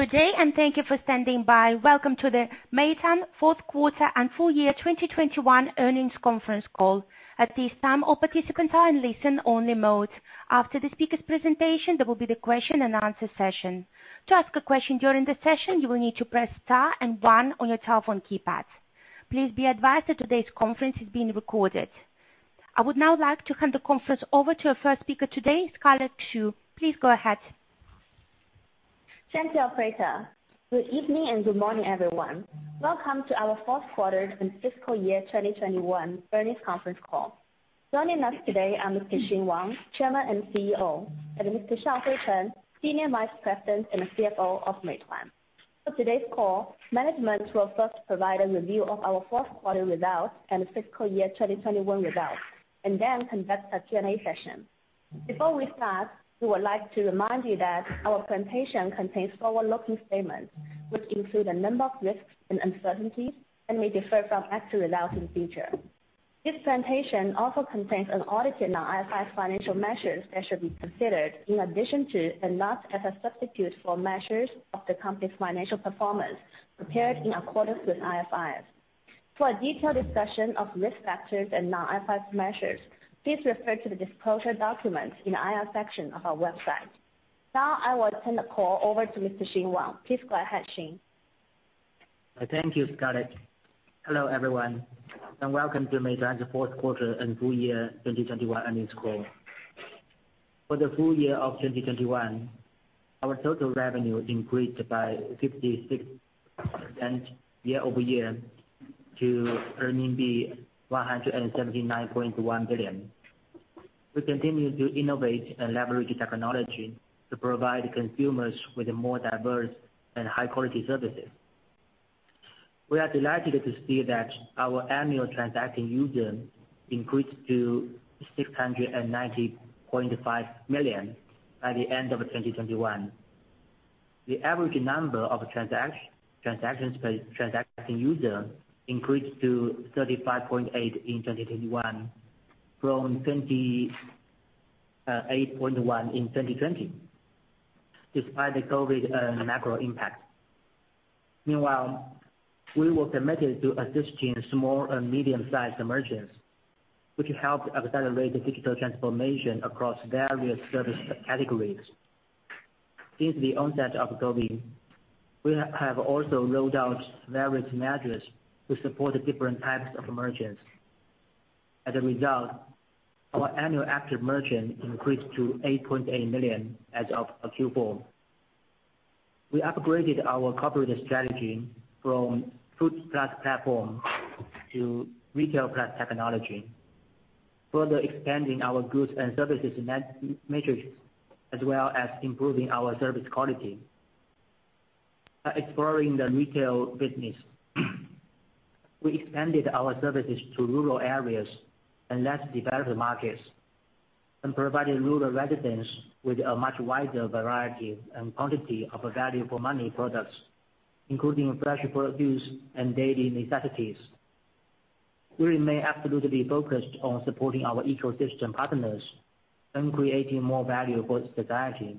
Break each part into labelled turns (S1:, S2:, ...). S1: Good day and thank you for standing by. Welcome to the Meituan Q4 and full year 2021 earnings conference call. At this time, all participants are in listen only mode. After the speaker's presentation, there will be the question-and-answer session. To ask a question during the session, you will need to press star and one on your telephone keypad. Please be advised that today's conference is being recorded. I would now like to hand the conference over to our first speaker today, Scarlett Xu. Please go ahead.
S2: Thank you, operator. Good evening and good morning, everyone. Welcome to our Q4 and fiscal year 2021 earnings conference call. Joining us today are Mr. Xing Wang, Chairman and CEO, and Mr. Shaohui Chen, Senior Vice President and CFO of Meituan. For today's call, management will first provide a review of our Q4 results and fiscal year 2021 results and then conduct a Q&A session. Before we start, we would like to remind you that our presentation contains forward-looking statements, which include a number of risks and uncertainties and may differ from actual results in future. This presentation also contains an audited non-IFRS financial measures that should be considered in addition to and not as a substitute for measures of the company's financial performance prepared in accordance with IFRS. For a detailed discussion of risk factors and non-IFRS measures, please refer to the disclosure documents in the IR section of our website. Now I will turn the call over to Mr. Xing Wang. Please go ahead, Xing.
S3: Thank you, Scarlett. Hello, everyone, and welcome to Meituan's Q4 and full year 2021 earnings call. For the full year of 2021, our total revenue increased by 56% year over year to 179.1 billion. We continue to innovate and leverage technology to provide consumers with more diverse and high-quality services. We are delighted to see that our annual transacting users increased to 690.5 million by the end of 2021. The average number of transactions per transacting user increased to 35.8 in 2021 from 28.1 in 2020, despite the COVID macro impact. Meanwhile, we were committed to assisting small and medium-sized merchants, which helped accelerate the digital transformation across various service categories. Since the onset of COVID, we have also rolled out various measures to support different types of merchants. As a result, our annual active merchants increased to 8.8 million as of Q4. We upgraded our corporate strategy from food plus platform to retail plus technology, further expanding our goods and services metrics, as well as improving our service quality. By exploring the retail business, we expanded our services to rural areas and less developed markets, and provided rural residents with a much wider variety and quantity of value-for-money products, including fresh produce and daily necessities. We remain absolutely focused on supporting our ecosystem partners and creating more value for society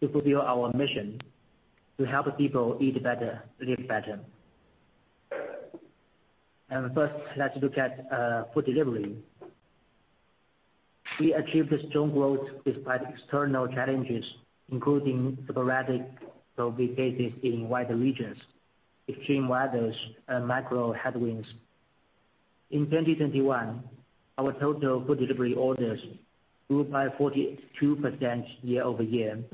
S3: to fulfill our mission to help people eat better, live better. First, let's look at food delivery. We achieved strong growth despite external challenges, including sporadic COVID cases in wider regions, extreme weathers, and macro headwinds. In 2021, our total food delivery orders grew by 42% year-over-year.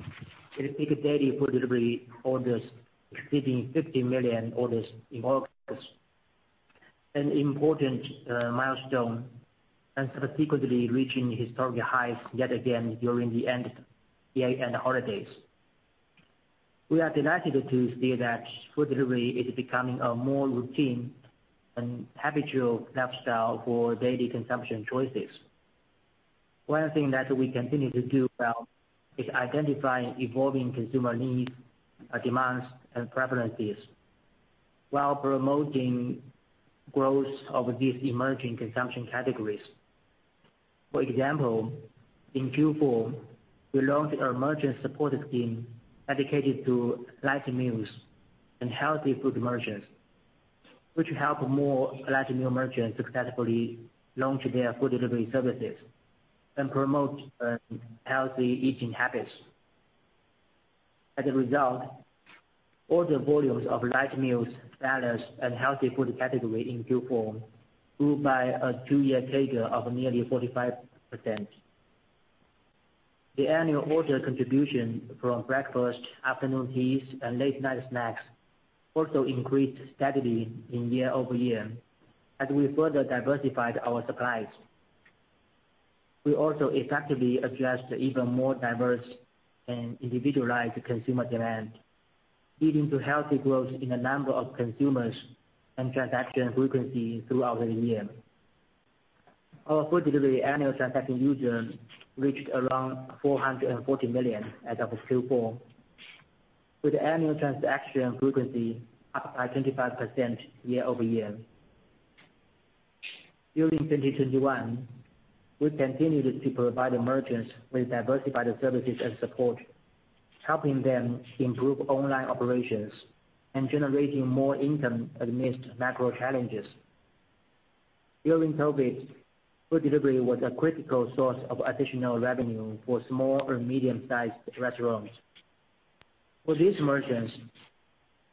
S3: With peak daily food delivery orders exceeding 50 million orders in August, an important milestone, and subsequently reaching historic highs yet again during the end year and holidays. We are delighted to see that food delivery is becoming a more routine and habitual lifestyle for daily consumption choices. One thing that we continue to do well is identifying evolving consumer needs, demands, and preferences while promoting growth of these emerging consumption categories. For example, in Q4, we launched a merchant support scheme dedicated to light meals and healthy food merchants, which help more light meal merchants successfully launch their food delivery services and promote healthy eating habits. As a result, order volumes of light meals, salads, and healthy food category in Q4 grew by a two-year CAGR of nearly 45%. The annual order contribution from breakfast, afternoon teas, and late-night snacks also increased steadily year-over-year as we further diversified our supplies. We also effectively addressed even more diverse and individualized consumer demand, leading to healthy growth in the number of consumers and transaction frequency throughout the year. Our food delivery annual transacting users reached around 440 million as of Q4, with annual transaction frequency up by 25% year-over-year. During 2021, we continued to provide merchants with diversified services and support, helping them improve online operations and generating more income amidst macro challenges. During COVID, food delivery was a critical source of additional revenue for small or medium-sized restaurants. For these merchants,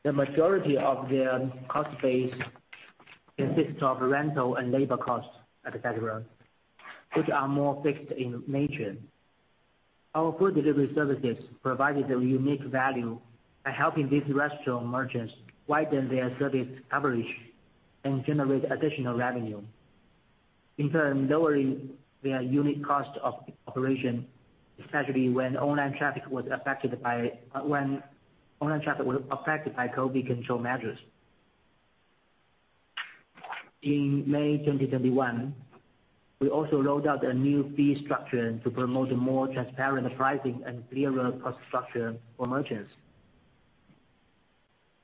S3: the majority of their cost base consists of rental and labor costs, et cetera, which are more fixed in nature. Our food delivery services provided a unique value by helping these restaurant merchants widen their service coverage and generate additional revenue, in turn lowering their unit cost of operation, especially when online traffic was affected by COVID control measures. In May 2021, we also rolled out a new fee structure to promote more transparent pricing and clearer cost structure for merchants,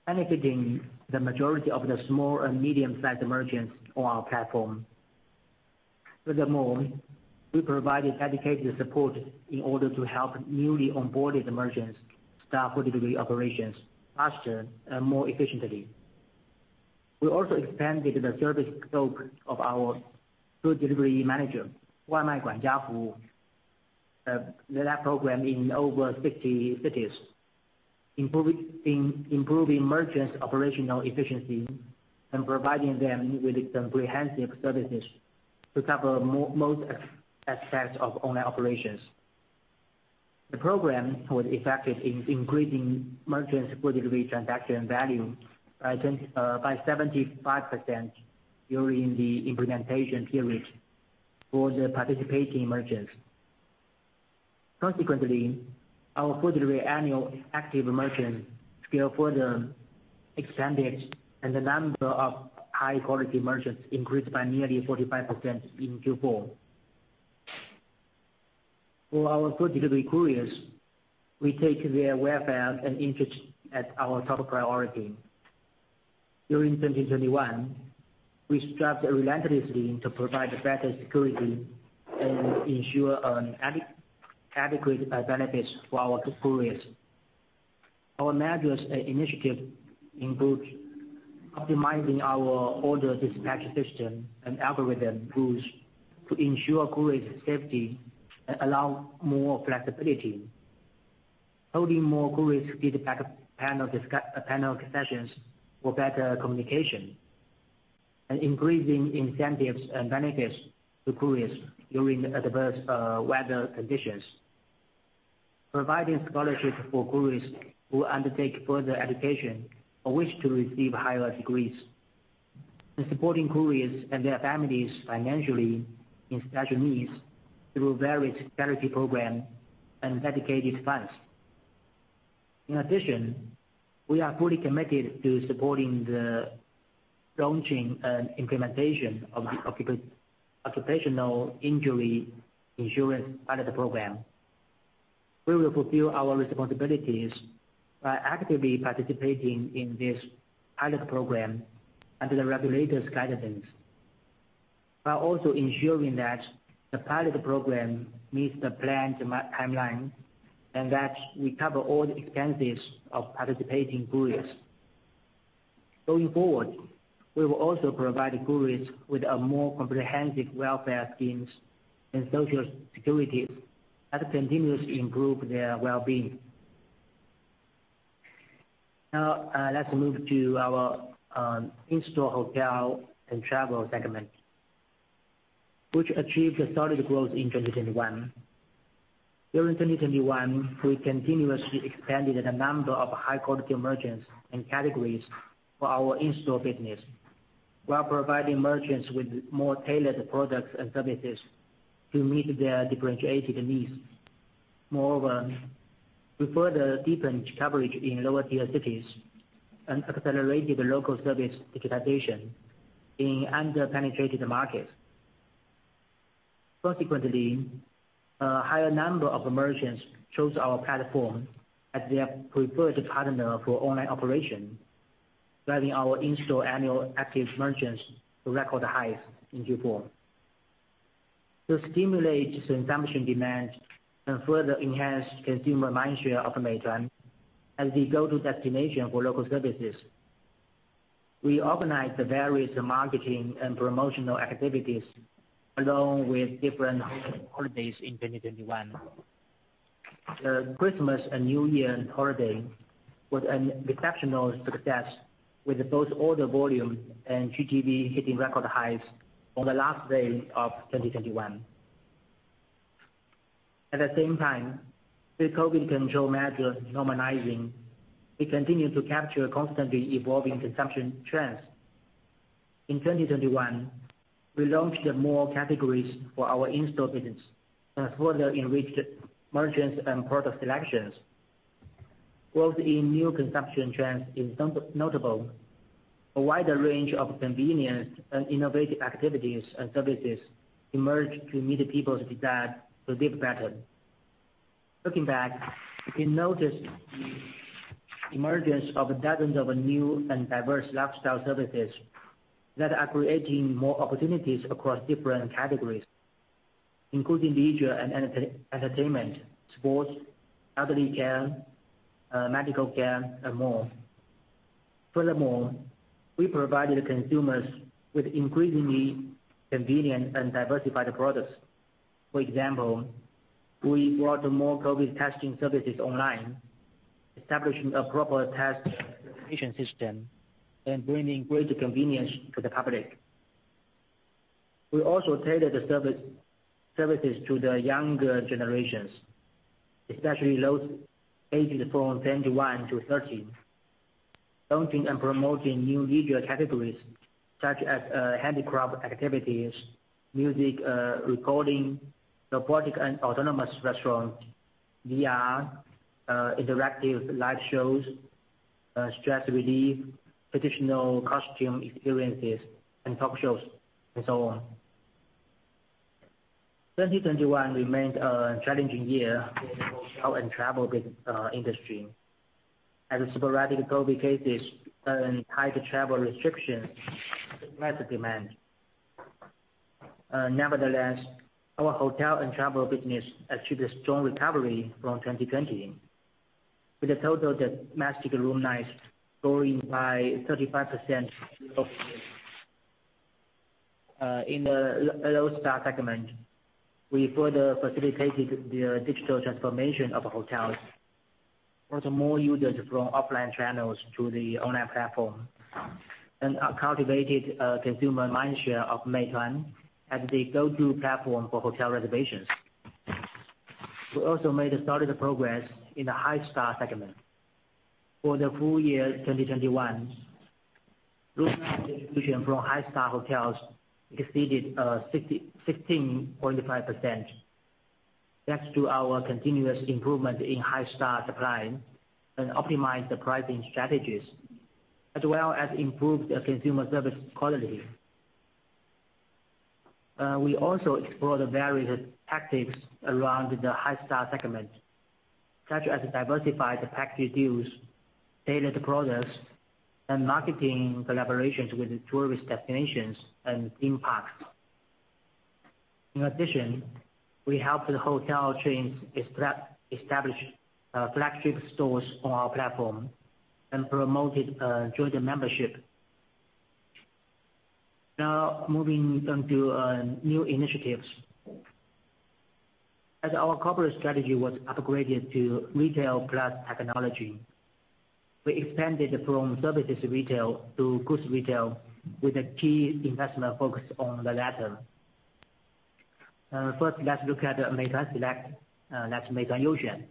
S3: benefiting the majority of the small and medium-sized merchants on our platform. Furthermore, we provided dedicated support in order to help newly onboarded merchants start food delivery operations faster and more efficiently. We also expanded the service scope of our Food Delivery Manager, that program in over 60 cities, improving merchants' operational efficiency and providing them with comprehensive services to cover most aspects of online operations. The program was effective in increasing merchants' food delivery transaction value by 75% during the implementation period for the participating merchants. Consequently, our food delivery annual active merchants scale further expanded, and the number of high-quality merchants increased by nearly 45% in Q4. For our food delivery couriers, we take their welfare and interest as our top priority. During 2021, we strived relentlessly to provide better security and ensure adequate benefits to our couriers. Our measures and initiatives include optimizing our order dispatch system and algorithm rules to ensure couriers' safety and allow more flexibility, holding more couriers feedback panel sessions for better communication, increasing incentives and benefits to couriers during adverse weather conditions, providing scholarships for couriers who undertake further education or wish to receive higher degrees. Supporting couriers and their families financially in special needs through various charity programs and dedicated funds. In addition, we are fully committed to supporting the launching and implementation of Occupational Injury Insurance Pilot Program. We will fulfill our responsibilities by actively participating in this pilot program under the regulators' guidance. While also ensuring that the pilot program meets the planned milestone timeline, and that we cover all the expenses of participating couriers. Going forward, we will also provide couriers with a more comprehensive welfare schemes and Social Security that continuously improve their well-being. Now, let's move to our In-Store, Hotel, and Travel Segment, which achieved a solid growth in 2021. During 2021, we continuously expanded the number of high-quality merchants and categories for our in-store business while providing merchants with more tailored products and services to meet their differentiated needs. Moreover, we further deepened coverage in lower-tier cities and accelerated the local service digitization in under-penetrated markets. Consequently, a higher number of merchants chose our platform as their preferred partner for online operation, driving our in-store annual active merchants to record highs in Q4. To stimulate consumption demand and further enhance consumer mindshare of Meituan as the go-to destination for local services, we organized various marketing and promotional activities along with different holidays in 2021. The Christmas and New Year holiday was an exceptional success with both order volume and GTV hitting record highs on the last day of 2021. At the same time, with COVID control measures normalizing, we continue to capture constantly evolving consumption trends. In 2021, we launched more categories for our in-store business and further enriched merchants and product selections. Growth in new consumption trends is notable. A wider range of convenience and innovative activities and services emerged to meet people's desire to live better. Looking back, we noticed the emergence of dozens of new and diverse lifestyle services that are creating more opportunities across different categories, including leisure and entertainment, sports, elderly care, medical care, and more. Furthermore, we provided consumers with increasingly convenient and diversified products. For example, we brought more COVID testing services online, establishing a proper test system and bringing greater convenience to the public. We also tailored the services to the younger generations, especially those aged from 21-30. Launching and promoting new leisure categories such as handicraft activities, music recording, robotic and autonomous restaurant, VR interactive live shows, stress relief, traditional costume experiences and talk shows, and so on. 2021 remained a challenging year in the hotel and travel industry as sporadic COVID cases and tight travel restrictions suppressed demand. Nevertheless, our hotel and travel business achieved a strong recovery from 2020, with the total domestic room nights growing by 35% over this. In the low-star segment, we further facilitated the digital transformation of hotels, brought more users from offline channels to the online platform, and cultivated a consumer mindshare of Meituan as the go-to platform for hotel reservations. We also made a solid progress in the high-star segment. For the full year 2021, room night distribution from high-star hotels exceeded 16.5%, thanks to our continuous improvement in high-star supply and optimized pricing strategies, as well as improved consumer service quality. We also explored the various tactics around the high-star segment, such as diversified package deals, data products, and marketing collaborations with tourist destinations and theme parks. In addition, we helped the hotel chains establish flagship stores on our platform and promoted joint membership. Now, moving on to new initiatives. As our corporate strategy was upgraded to retail plus technology, we expanded from services retail to goods retail with a key investment focus on the latter. First, let's look at the Meituan Select, that's Meituan Youxuan,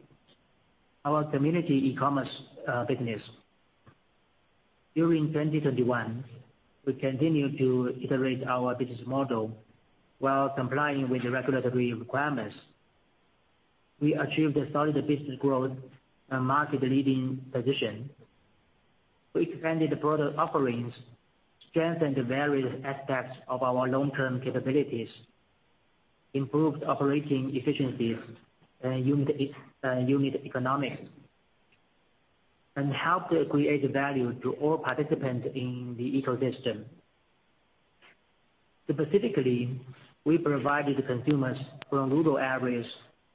S3: our community e-commerce business. During 2021, we continued to iterate our business model while complying with the regulatory requirements. We achieved a solid business growth and market-leading position. We expanded product offerings, strengthened the various aspects of our long-term capabilities, improved operating efficiencies, and unit economics, and helped create value to all participants in the ecosystem. Specifically, we provided consumers from rural areas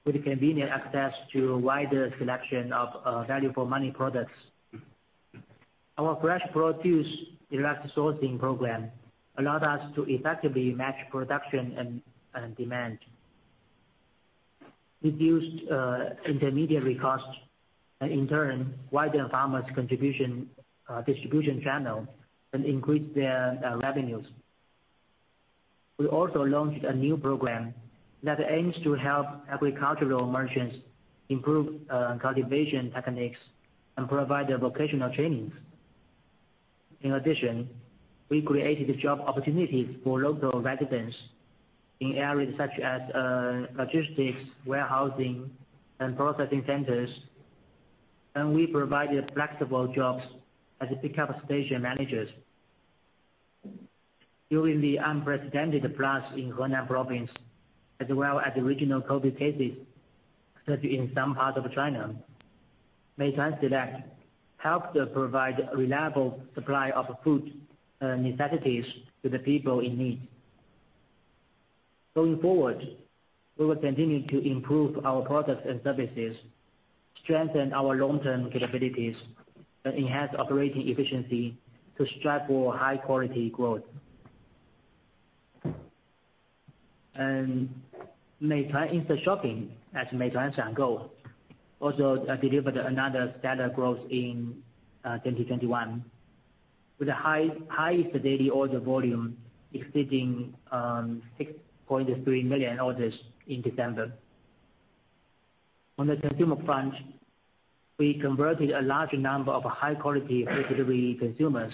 S3: with convenient access to a wider selection of value-for-money products. Our fresh produce direct sourcing program allowed us to effectively match production and demand, reduced intermediary costs, and in turn, widened farmers' contribution, distribution channel and increased their revenues. We also launched a new program that aims to help agricultural merchants improve cultivation techniques and provide vocational trainings. In addition, we created job opportunities for local residents in areas such as logistics, warehousing, and processing centers, and we provided flexible jobs as pickup station managers. During the unprecedented floods in Hunan Province, as well as regional COVID cases, especially in some parts of China, Meituan Select helped to provide a reliable supply of food, necessities to the people in need. Going forward, we will continue to improve our products and services, strengthen our long-term capabilities, and enhance operating efficiency to strive for high-quality growth. Meituan Instashopping, that's Meituan Shangou, also delivered another stellar growth in 2021, with the highest daily order volume exceeding 6.3 million orders in December. On the consumer front, we converted a large number of high-quality delivery consumers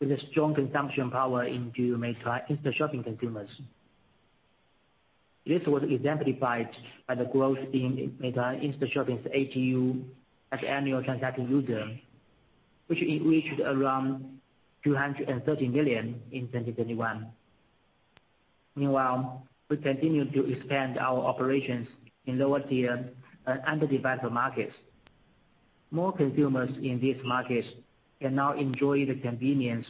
S3: with a strong consumption power into Meituan Instashopping consumers. This was exemplified by the growth in Meituan Instashopping's ATU, as annual transacting user, which it reached around 230 million in 2021. Meanwhile, we continue to expand our operations in lower tier and underdeveloped markets. More consumers in these markets can now enjoy the convenience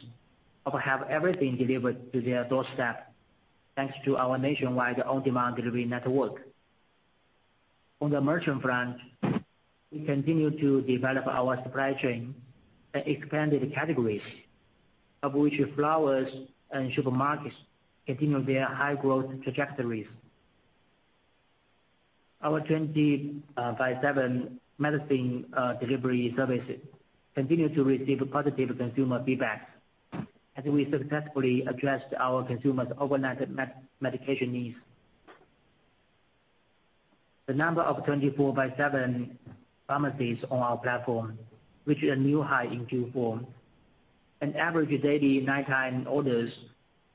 S3: of having everything delivered to their doorstep, thanks to our nationwide on-demand delivery network. On the merchant front, we continue to develop our supply chain and expanded categories, of which flowers and supermarkets continue their high growth trajectories. Our 24/7 medicine delivery services continue to receive positive consumer feedback as we successfully addressed our consumers' overnight medication needs. The number of 24/7 pharmacies on our platform reached a new high in Q4. Average daily nighttime orders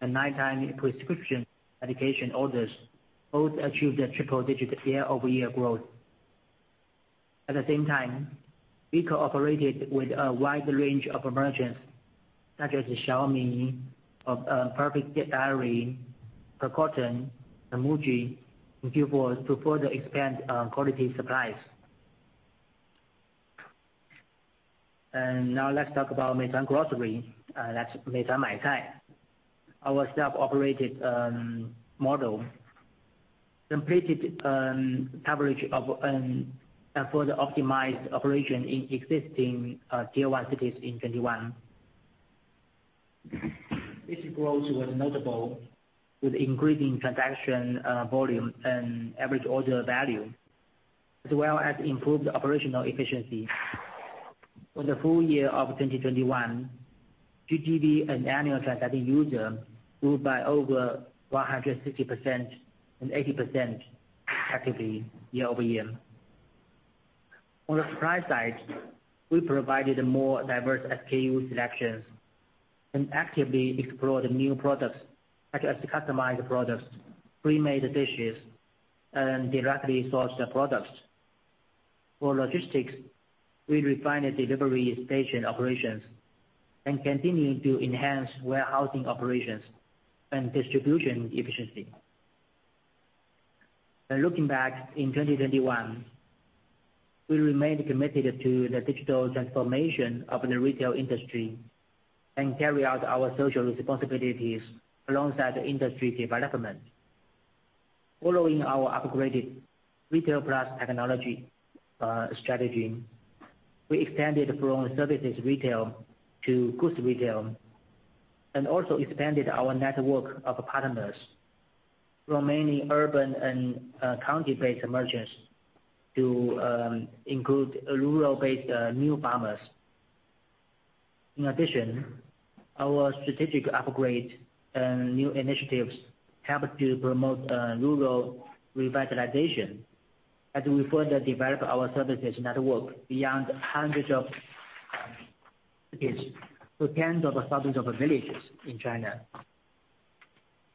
S3: and nighttime prescription medication orders both achieved a triple-digit year-over-year growth. At the same time, we cooperated with a wide range of merchants such as Xiaomi, Perfect Diary, Purcotton, and Muji in Q4 to further expand quality supplies. Now let's talk about Meituan Grocery. That's Meituan Maicai, our self-operated model completed coverage and further optimized operation in existing tier one cities in 2021. This growth was notable with increasing transaction volume and average order value, as well as improved operational efficiency. On the full year of 2021, GTV and annual transacting user grew by over 160% and 80% respectively year-over-year. On the supply side, we provided more diverse SKU selections and actively explored new products such as customized products, pre-made dishes, and directly sourced the products. For logistics, we refined the delivery station operations and continue to enhance warehousing operations and distribution efficiency. By looking back in 2021, we remained committed to the digital transformation of the retail industry and carry out our social responsibilities alongside industry development. Following our upgraded retail plus technology strategy, we expanded from services retail to goods retail, and also expanded our network of partners from mainly urban and county-based merchants to include rural-based new farmers. In addition, our strategic upgrade and new initiatives help to promote rural revitalization as we further develop our services network beyond hundreds of cities to tens of thousands of villages in China.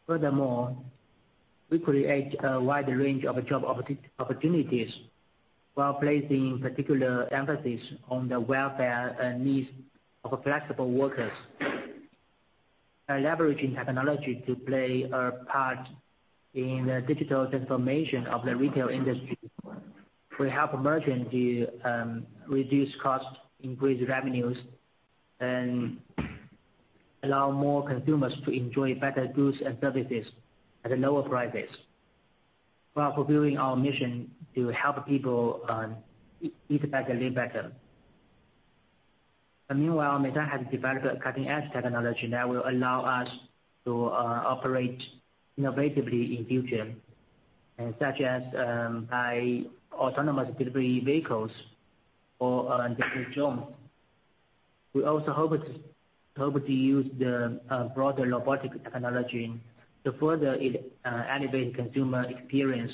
S3: Furthermore, we create a wide range of job opportunities while placing particular emphasis on the welfare and needs of flexible workers. By leveraging technology to play a part in the digital transformation of the retail industry, we help merchants to reduce costs, increase revenues, and allow more consumers to enjoy better goods and services at lower prices, while fulfilling our mission to help people eat better, live better. Meanwhile, Meituan has developed a cutting-edge technology that will allow us to operate innovatively in future, such as by autonomous delivery vehicles or drones. We also hope to use the broader robotic technology to further elevate consumer experience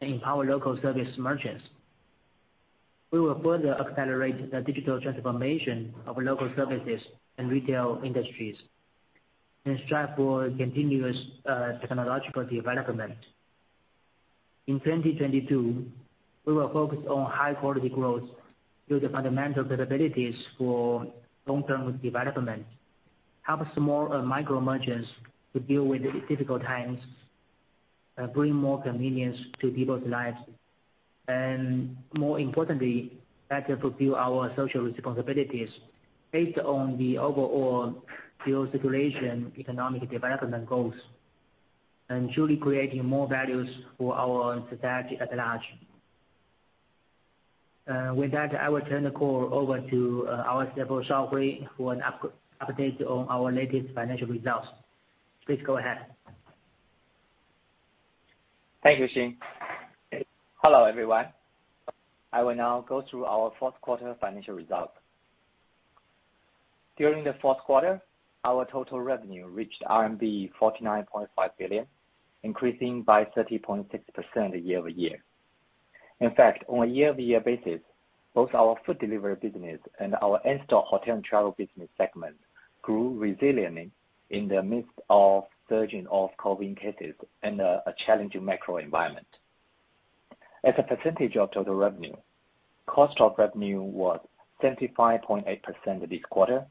S3: and empower local service merchants. We will further accelerate the digital transformation of local services and retail industries and strive for continuous technological development. In 2022, we will focus on high quality growth, build the fundamental capabilities for long-term development, help small micro-merchants to deal with difficult times, bring more convenience to people's lives, and more importantly, better fulfill our social responsibilities based on the overall geo situation, economic development goals, and truly creating more values for our society at large. With that, I will turn the call over to our CFO, Shaohui, who will update you on our latest financial results. Please go ahead.
S4: Thank you, Xin. Hello, everyone. I will now go through our Q4 financial results. During the Q4, our total revenue reached RMB 49.5 billion, increasing by 30.6% year-over-year. In fact, on a year-over-year basis, both our food delivery business and our in-store hotel and travel business segment grew resiliently in the midst of surging of COVID cases and a challenging macro environment. As a percentage of total revenue, cost of revenue was 75.8% this quarter,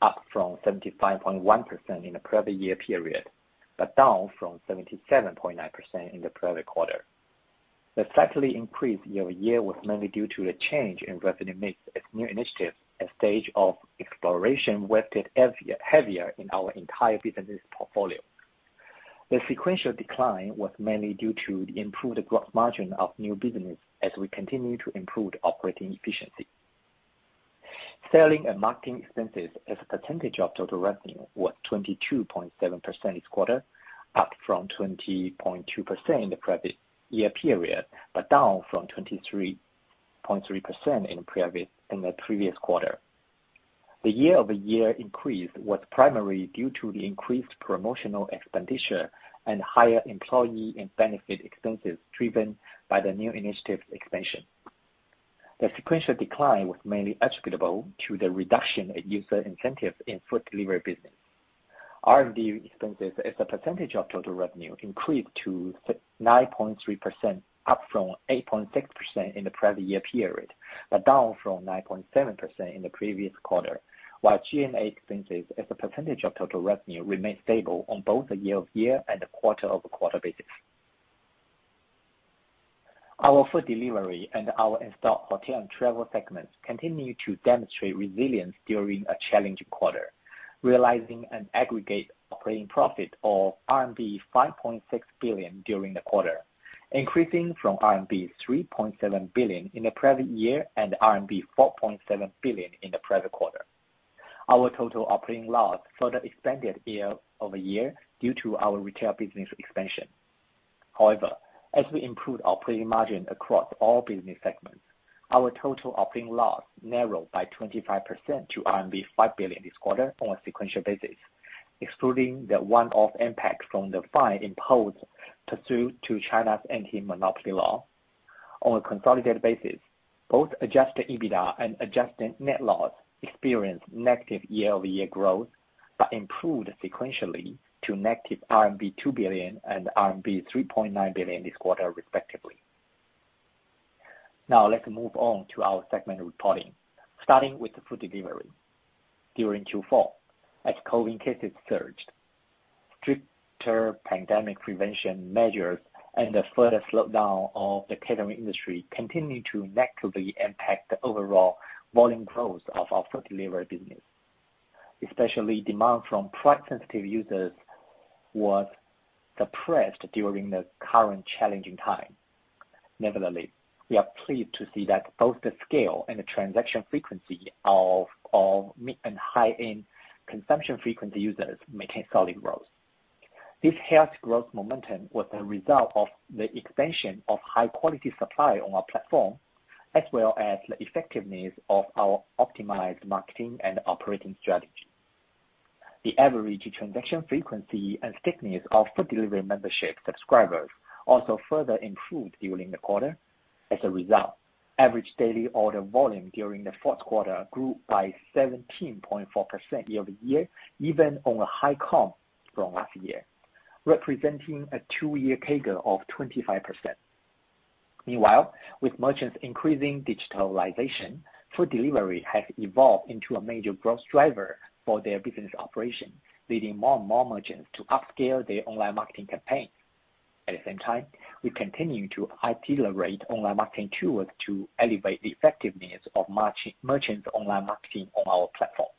S4: up from 75.1% in the previous year period, but down from 77.9% in the previous quarter. The slight increase year-over-year was mainly due to the change in revenue mix as new initiatives and stage of exploration weighed heavier in our entire business portfolio. The sequential decline was mainly due to the improved gross margin of new business as we continue to improve operating efficiency. Selling and marketing expenses as a percentage of total revenue was 22.7% this quarter, up from 20.2% in the previous year period, but down from 23.3% in the previous quarter. The year-over-year increase was primarily due to the increased promotional expenditure and higher employee and benefit expenses driven by the new initiative expansion. The sequential decline was mainly attributable to the reduction in user incentives in food delivery business. R&D expenses as a percentage of total revenue increased to 9.3%, up from 8.6% in the previous year period, but down from 9.7% in the previous quarter. While G&A expenses as a percentage of total revenue remained stable on both a year-over-year and a quarter-over-quarter basis. Our food delivery and our in-store hotel and travel segments continue to demonstrate resilience during a challenging quarter, realizing an aggregate operating profit of RMB 5.6 billion during the quarter, increasing from RMB 3.7 billion in the previous year and RMB 4.7 billion in the previous quarter. Our total operating loss further expanded year-over-year due to our retail business expansion. However, as we improve operating margin across all business segments, our total operating loss narrowed by 25% to RMB 5 billion this quarter on a sequential basis, excluding the one-off impact from the fine imposed pursuant to China's anti-monopoly law. On a consolidated basis, both adjusted EBITDA and adjusted net loss experienced negative year-over-year growth, but improved sequentially to negative RMB 2 billion and RMB 3.9 billion this quarter, respectively. Now let's move on to our segment reporting, starting with the food delivery. During Q4, as COVID cases surged, stricter pandemic prevention measures and a further slowdown of the catering industry continued to negatively impact the overall volume growth of our food delivery business. Especially, demand from price-sensitive users was suppressed during the current challenging time. Nevertheless, we are pleased to see that both the scale and the transaction frequency of mid- and high-end consumption frequency users maintained solid growth. This healthy growth momentum was a result of the expansion of high quality supply on our platform, as well as the effectiveness of our optimized marketing and operating strategy. The average transaction frequency and stickiness of food delivery membership subscribers also further improved during the quarter. As a result, average daily order volume during the Q4 grew by 17.4% year-over-year, even on a high comp from last year, representing a two-year CAGR of 25%. Meanwhile, with merchants' increasing digitalization, food delivery has evolved into a major growth driver for their business operation, leading more and more merchants to upscale their online marketing campaign. At the same time, we continue to accelerate online marketing tools to elevate the effectiveness of merchants' online marketing on our platform.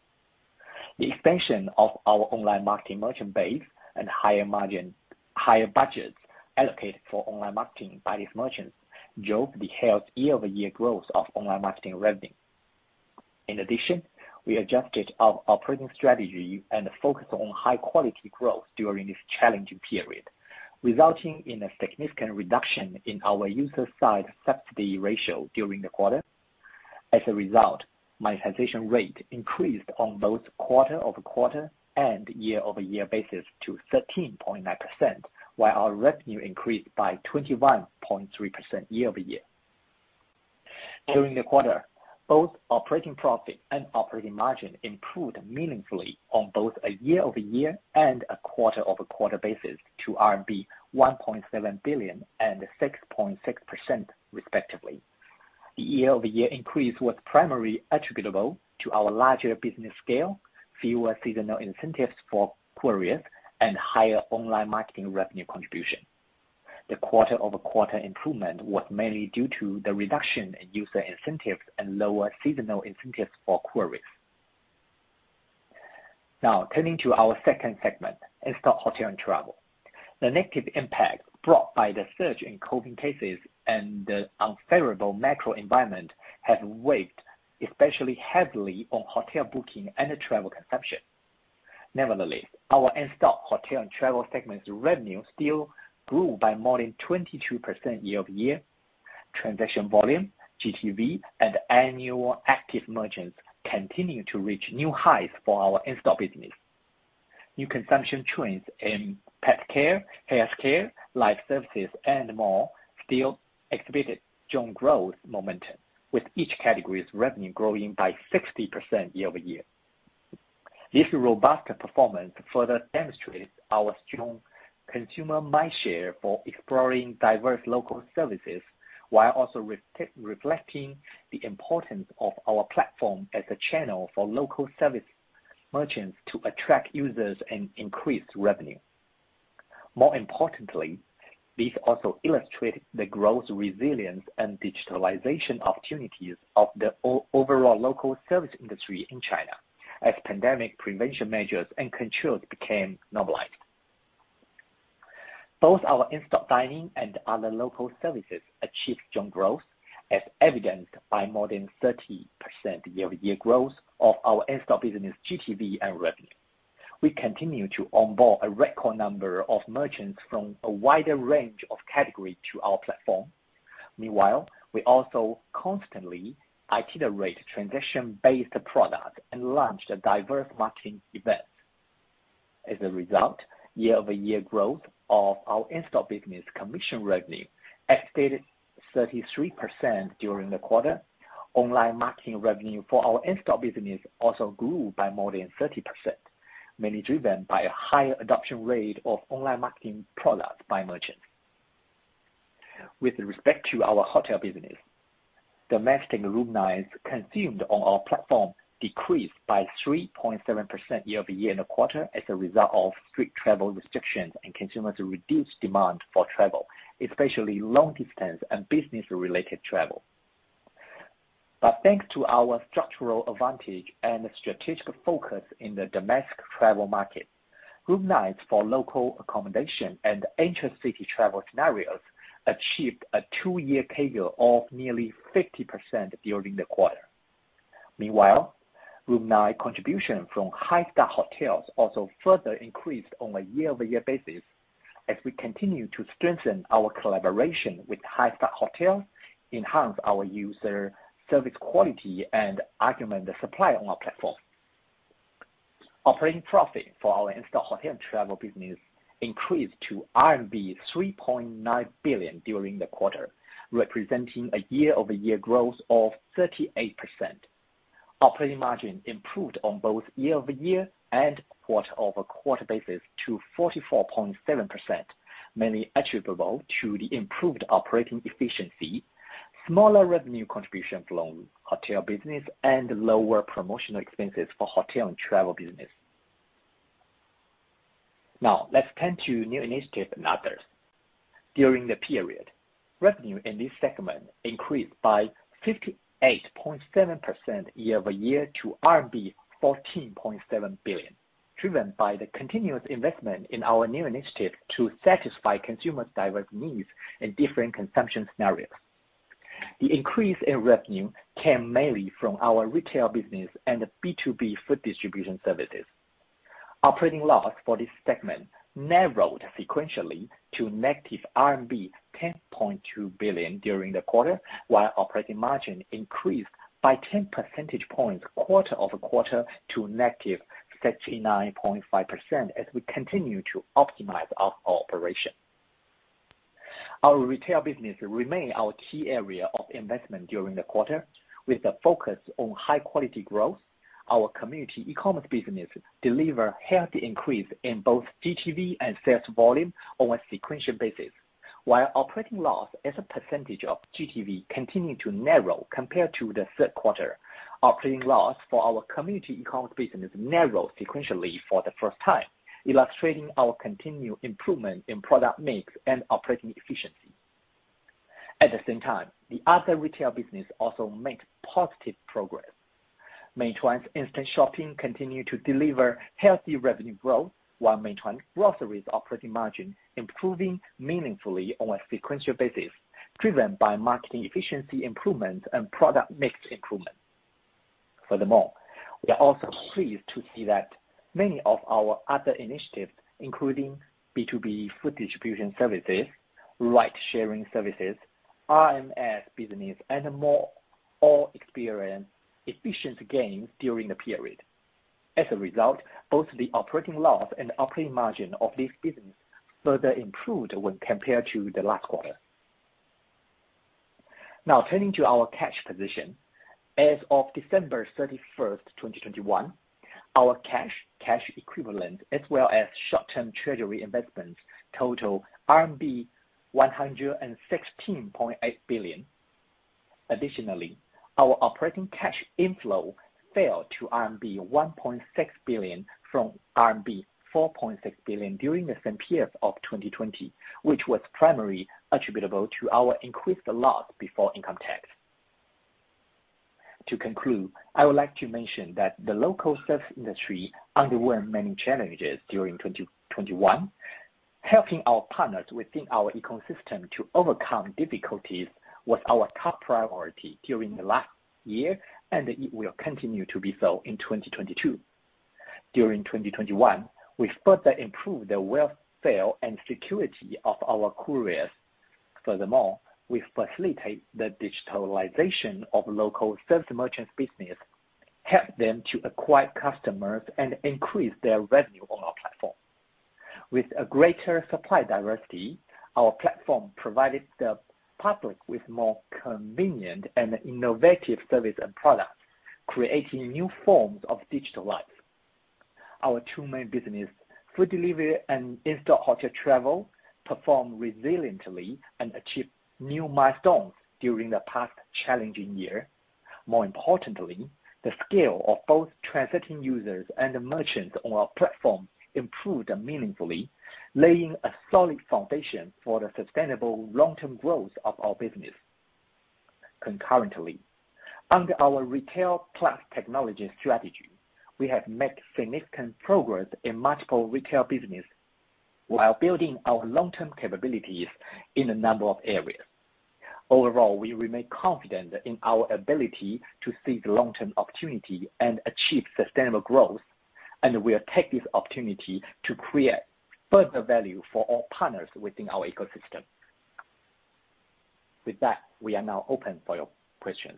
S4: The expansion of our online marketing merchant base and higher margin, higher budgets allocated for online marketing by these merchants drove the healthy year-over-year growth of online marketing revenue. In addition, we adjusted our operating strategy and focus on high quality growth during this challenging period, resulting in a significant reduction in our user side subsidy ratio during the quarter. As a result, monetization rate increased on both quarter-over-quarter and year-over-year basis to 13.9%, while our revenue increased by 21.3% year-over-year. During the quarter, both operating profit and operating margin improved meaningfully on both a year-over-year and a quarter-over-quarter basis to RMB 1.7 billion and 6.6%, respectively. The year-over-year increase was primarily attributable to our larger business scale, fewer seasonal incentives for couriers, and higher online marketing revenue contribution. The quarter-over-quarter improvement was mainly due to the reduction in user incentives and lower seasonal incentives for couriers. Now, turning to our second segment, In-Store, Hotel and Travel. The negative impact brought by the surge in COVID cases and the unfavorable macro environment has weighed especially heavily on hotel booking and travel consumption. Nevertheless, our in-store hotel and travel segment's revenue still grew by more than 22% year-over-year. Transaction volume, GTV, and annual active merchants continue to reach new highs for our in-store business. New consumption trends in pet care, healthcare, life services, and more still exhibited strong growth momentum, with each category's revenue growing by 60% year-over-year. This robust performance further demonstrates our strong consumer mindshare for exploring diverse local services, while also reflecting the importance of our platform as a channel for local service merchants to attract users and increase revenue. More importantly, this also illustrates the growth, resilience, and digitalization opportunities of the overall local service industry in China as pandemic prevention measures and controls became normal life. Both our in-store dining and other local services achieved strong growth, as evidenced by more than 30% year-over-year growth of our in-store business GTV and revenue. We continue to onboard a record number of merchants from a wider range of categories to our platform. Meanwhile, we also constantly iterate transaction-based products and launched diverse marketing events. As a result, year-over-year growth of our in-store business commission revenue exceeded 33% during the quarter. Online marketing revenue for our in-store business also grew by more than 30%, mainly driven by a higher adoption rate of online marketing products by merchants. With respect to our hotel business, domestic room nights consumed on our platform decreased by 3.7% year-over-year in the quarter as a result of strict travel restrictions and consumers' reduced demand for travel, especially long-distance and business-related travel. Thanks to our structural advantage and strategic focus in the domestic travel market, room nights for local accommodation and intra-city travel scenarios achieved a two-year CAGR of nearly 50% during the quarter. Meanwhile, room night contribution from high-star hotels also further increased on a year-over-year basis as we continue to strengthen our collaboration with high-star hotels, enhance our user service quality, and augment the supply on our platform. Operating profit for our in-store hotel and travel business increased to RMB 3.9 billion during the quarter, representing a year-over-year growth of 38%. Operating margin improved on both year-over-year and quarter-over-quarter basis to 44.7%, mainly attributable to the improved operating efficiency, smaller revenue contribution from hotel business, and lower promotional expenses for hotel and travel business. Now, let's turn to new initiatives and others. During the period, revenue in this segment increased by 58.7% year-over-year to RMB 14.7 billion, driven by the continuous investment in our new initiatives to satisfy consumers' diverse needs in different consumption scenarios. The increase in revenue came mainly from our retail business and B2B food distribution services. Operating loss for this segment narrowed sequentially to negative RMB 10.2 billion during the quarter, while operating margin increased by 10 percentage points quarter-over-quarter to negative 39.5% as we continue to optimize our operation. Our retail business remained our key area of investment during the quarter. With a focus on high-quality growth, our community e-commerce business delivered healthy increase in both GTV and sales volume on a sequential basis, while operating loss as a percentage of GTV continued to narrow compared to the Q3. Operating loss for our community e-commerce business narrowed sequentially for the first time, illustrating our continued improvement in product mix and operating efficiency. At the same time, the other retail business also makes positive progress. Meituan Instashopping continued to deliver healthy revenue growth, while Meituan Grocery's operating margin improving meaningfully on a sequential basis, driven by marketing efficiency improvements and product mix improvements. Furthermore, we are also pleased to see that many of our other initiatives, including B2B food distribution services, ride-sharing services, RMS business, and more, all experienced efficiency gains during the period. As a result, both the operating loss and operating margin of this business further improved when compared to the last quarter. Now turning to our cash position. As of December 31st, 2021, our cash equivalent, as well as short-term treasury investments total RMB 116.8 billion. Additionally, our operating cash inflow fell to RMB 1.6 billion from RMB 4.6 billion during the same period of 2020, which was primarily attributable to our increased loss before income tax. To conclude, I would like to mention that the local service industry underwent many challenges during 2021. Helping our partners within our ecosystem to overcome difficulties was our top priority during the last year, and it will continue to be so in 2022. During 2021, we further improved the welfare and security of our couriers. Furthermore, we facilitate the digitalization of local service merchants' business, help them to acquire customers, and increase their revenue on our platform. With a greater supply diversity, our platform provided the public with more convenient and innovative services and products, creating new forms of digital life. Our two main businesses, food delivery and instashopping hotel travel, performed resiliently and achieved new milestones during the past challenging year. More importantly, the scale of both transacting users and the merchants on our platform improved meaningfully, laying a solid foundation for the sustainable long-term growth of our business. Concurrently, under our retail plus technology strategy, we have made significant progress in multiple retail businesses while building our long-term capabilities in a number of areas. Overall, we remain confident in our ability to seek long-term opportunities and achieve sustainable growth, and we'll take this opportunity to create further value for all partners within our ecosystem. With that, we are now open for your questions.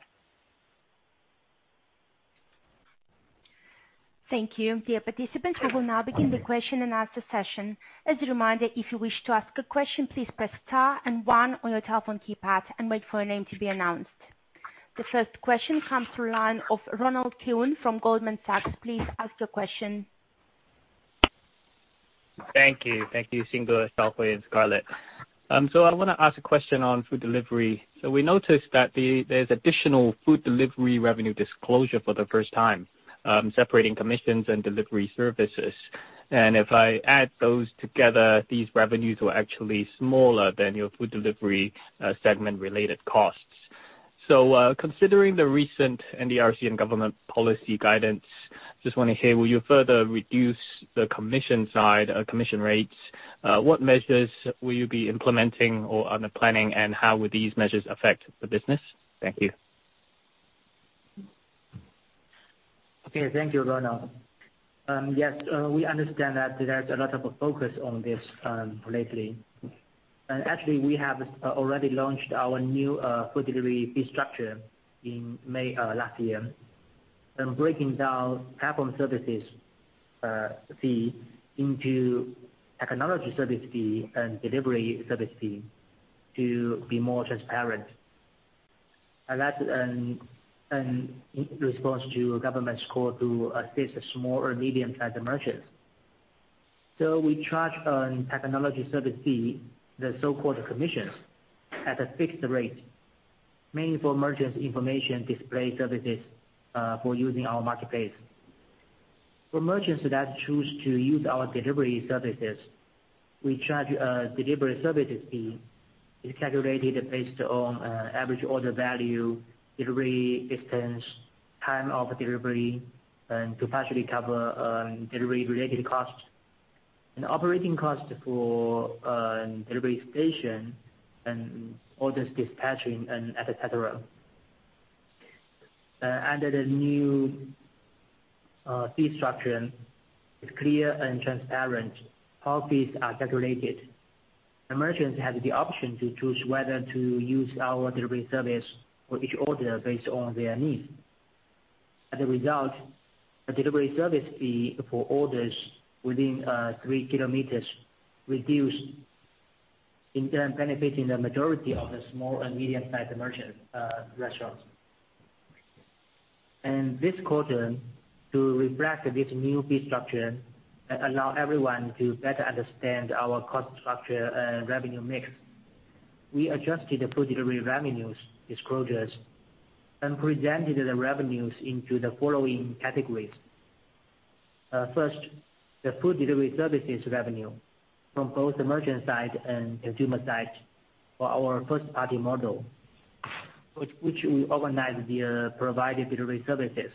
S1: Thank you, dear participants. I will now begin the question-and-answer session. As a reminder, if you wish to ask a question, please press star and one on your telephone keypad and wait for your name to be announced. The first question comes from the line of Ronald Keung from Goldman Sachs. Please ask your question.
S5: Thank you. Thank you, Xing Wang, Shaohui Chen, and Scarlett Xu. I want to ask a question on food delivery. We noticed there's additional food delivery revenue disclosure for the first time, separating commissions and delivery services. If I add those together, these revenues were actually smaller than your food delivery segment-related costs. Considering the recent NDRC and government policy guidance, just want to hear, will you further reduce the commission side, commission rates? What measures will you be implementing or in the planning, and how would these measures affect the business? Thank you.
S3: Okay, thank you, Ronald. Yes, we understand that there's a lot of focus on this lately. Actually, we have already launched our new food delivery fee structure in May last year, breaking down platform services fee into technology service fee and delivery service fee to be more transparent. That's in response to government's call to assist the small or medium-sized merchants. We charge a technology service fee, the so-called commissions, at a fixed rate, mainly for merchants information display services for using our marketplace. For merchants that choose to use our delivery services, we charge a delivery services fee. It's calculated based on average order value, delivery distance, time of delivery, and to partially cover delivery-related costs and operating costs for delivery station and orders dispatching and et cetera. Under the new fee structure, it's clear and transparent how fees are calculated. The merchants have the option to choose whether to use our delivery service for each order based on their needs. As a result, a delivery service fee for orders within three kilometers reduced, in turn benefiting the majority of the small and medium-sized merchant restaurants. This quarter, to reflect this new fee structure and allow everyone to better understand our cost structure and revenue mix, we adjusted the food delivery revenues disclosures and presented the revenues into the following categories. First, the food delivery services revenue from both the merchant side and consumer side for our first party model, which we organize via provided delivery services.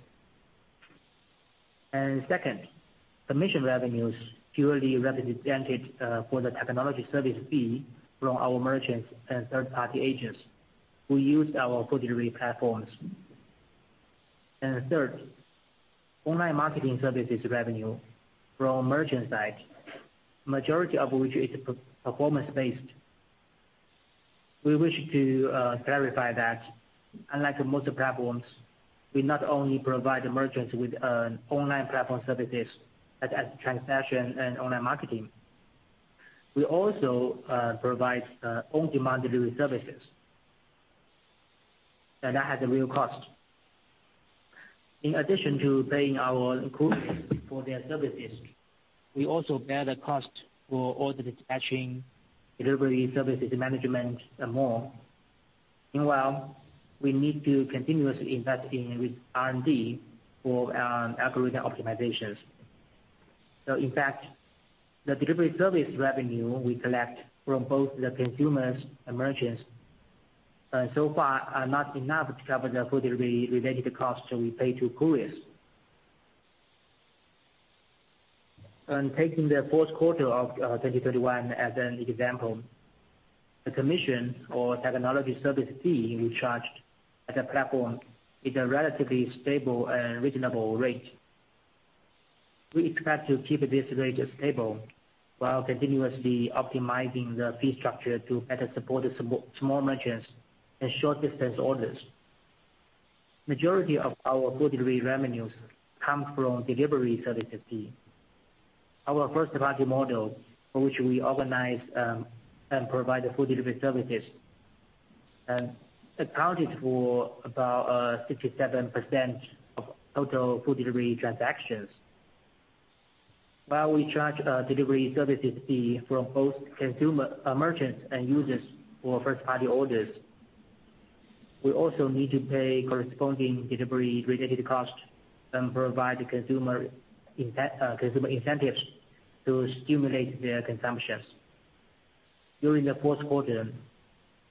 S3: Second, commission revenues purely represented for the technology service fee from our merchants and third-party agents who use our food delivery platforms. Third, online marketing services revenue from the merchant side, majority of which is performance-based. We wish to clarify that unlike most platforms, we not only provide the merchants with online platform services such as transaction and online marketing, we also provide on-demand delivery services. That has a real cost. In addition to paying our couriers for their services, we also bear the cost for order dispatching, delivery services management, and more. Meanwhile, we need to continuously invest in R&D for algorithm optimizations. In fact, the delivery service revenue we collect from both the consumers and merchants so far are not enough to cover the food delivery-related costs we pay to couriers. Taking the Q4 of twenty twenty-one as an example, the commission or technology service fee we charged as a platform is a relatively stable and reasonable rate. We expect to keep this rate stable while continuously optimizing the fee structure to better support the small merchants and short-distance orders. Majority of our food delivery revenues come from delivery services fee. Our first-party model, for which we organize and provide the food delivery services, and accounted for about 67% of total food delivery transactions. While we charge delivery services fee from both consumers, merchants and users for first-party orders, we also need to pay corresponding delivery-related costs and provide the consumer incentives to stimulate their consumptions. During the Q4,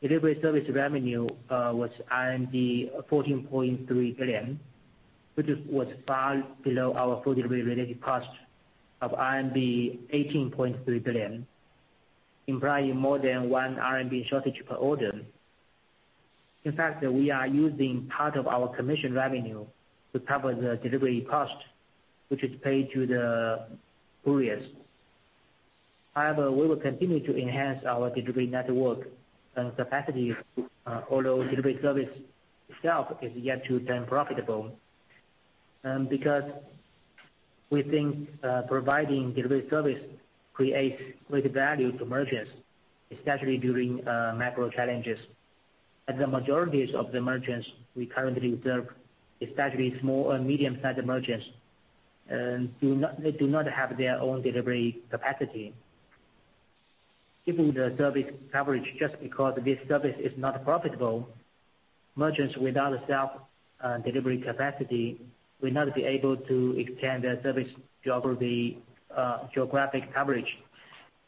S3: delivery service revenue was 14.3 billion, which was far below our food delivery-related costs of RMB 18.3 billion, implying more than one RMB shortage per order. In fact, we are using part of our commission revenue to cover the delivery cost, which is paid to the couriers. However, we will continue to enhance our delivery network and capacity, although delivery service itself is yet to turn profitable. Because we think, providing delivery service creates great value to merchants, especially during macro challenges. As the majority of the merchants, we currently serve, especially small and medium-sized merchants, do not have their own delivery capacity. Given the service coverage just because this service is not profitable, merchants without self-delivery capacity will not be able to extend their geographic coverage,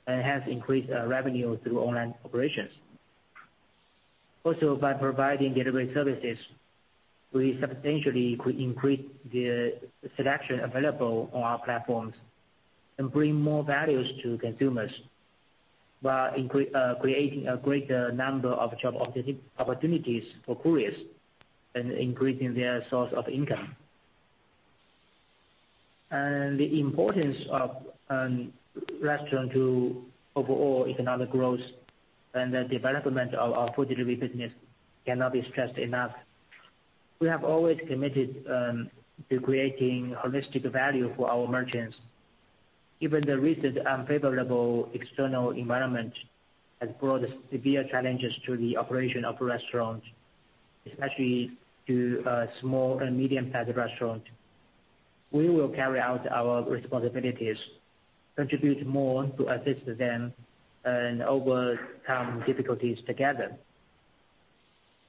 S3: and hence, increase revenue through online operations. Also, by providing delivery services, we substantially could increase the selection available on our platforms and bring more value to consumers while creating a greater number of job opportunities for couriers and increasing their source of income. The importance of restaurants to overall economic growth and the development of our food delivery business cannot be stressed enough. We have always committed to creating holistic value for our merchants. Given the recent unfavorable external environment has brought severe challenges to the operation of restaurants, especially to small and medium-sized restaurants, we will carry out our responsibilities, contribute more to assist them, and overcome difficulties together.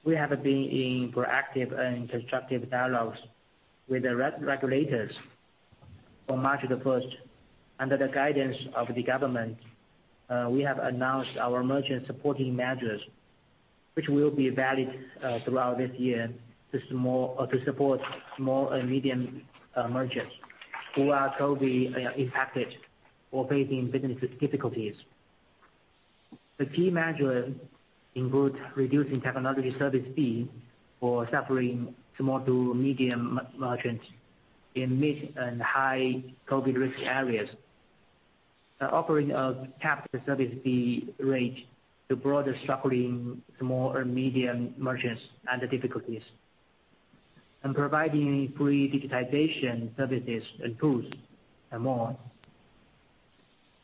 S3: We have been in proactive and constructive dialogues with the regulators. On March 1, under the guidance of the government, we have announced our merchant supporting measures, which will be valid throughout this year to support small and medium merchants who are COVID impacted or facing business difficulties. The key measures include reducing technology service fee for suffering small to medium merchants in mid and high COVID risk areas, offering a capped service fee rate to broader struggling small or medium merchants and the difficulties, and providing free digitization services and tools, and more.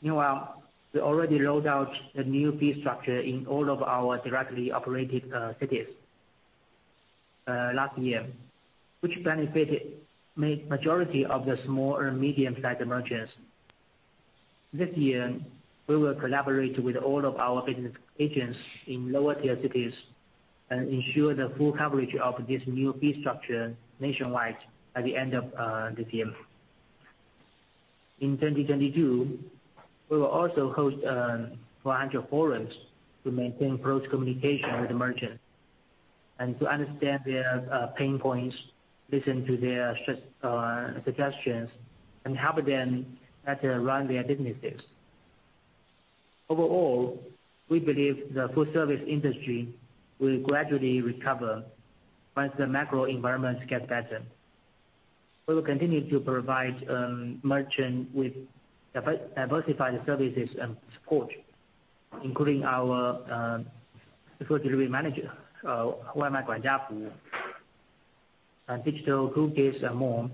S3: Meanwhile, we already rolled out the new fee structure in all of our directly operated cities last year, which benefited majority of the small or medium-sized merchants. This year, we will collaborate with all of our business agents in lower-tier cities and ensure the full coverage of this new fee structure nationwide at the end of this year. In 2022, we will also host 400 forums to maintain close communication with the merchants and to understand their pain points, listen to their suggestions, and help them as they run their businesses. Overall, we believe the food service industry will gradually recover once the macro environments get better. We will continue to provide merchants with diversified services and support, including our food delivery manager, Waimai Guanjia, and digital toolkits and more,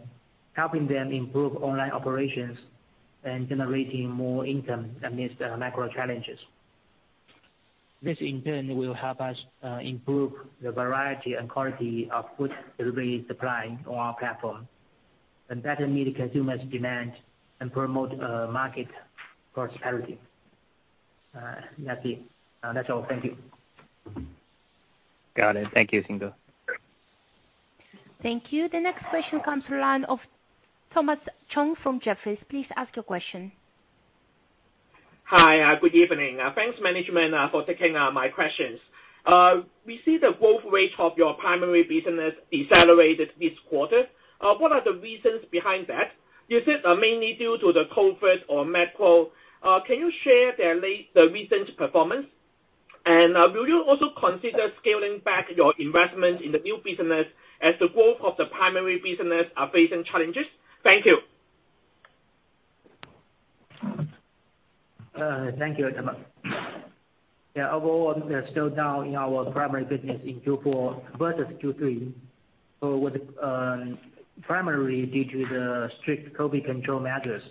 S3: helping them improve online operations and generating more income amidst macro challenges. This in turn will help us, improve the variety and quality of food delivery supply on our platform, and better meet consumers' demand and promote market prosperity. That's it. That's all. Thank you.
S5: Got it. Thank you, Scarlett Xu.
S1: Thank you. The next question comes from the line of Thomas Chong from Jefferies. Please ask your question.
S6: Hi, good evening. Thanks management for taking my questions. We see the growth rate of your primary business decelerated this quarter. What are the reasons behind that? Is it mainly due to the COVID or macro? Can you share the recent performance? Will you also consider scaling back your investment in the new business as the growth of the primary business are facing challenges? Thank you.
S3: Thank you, Emma. Yeah, overall, we are still down in our primary business in Q4 versus Q3, primarily due to the strict COVID control measures.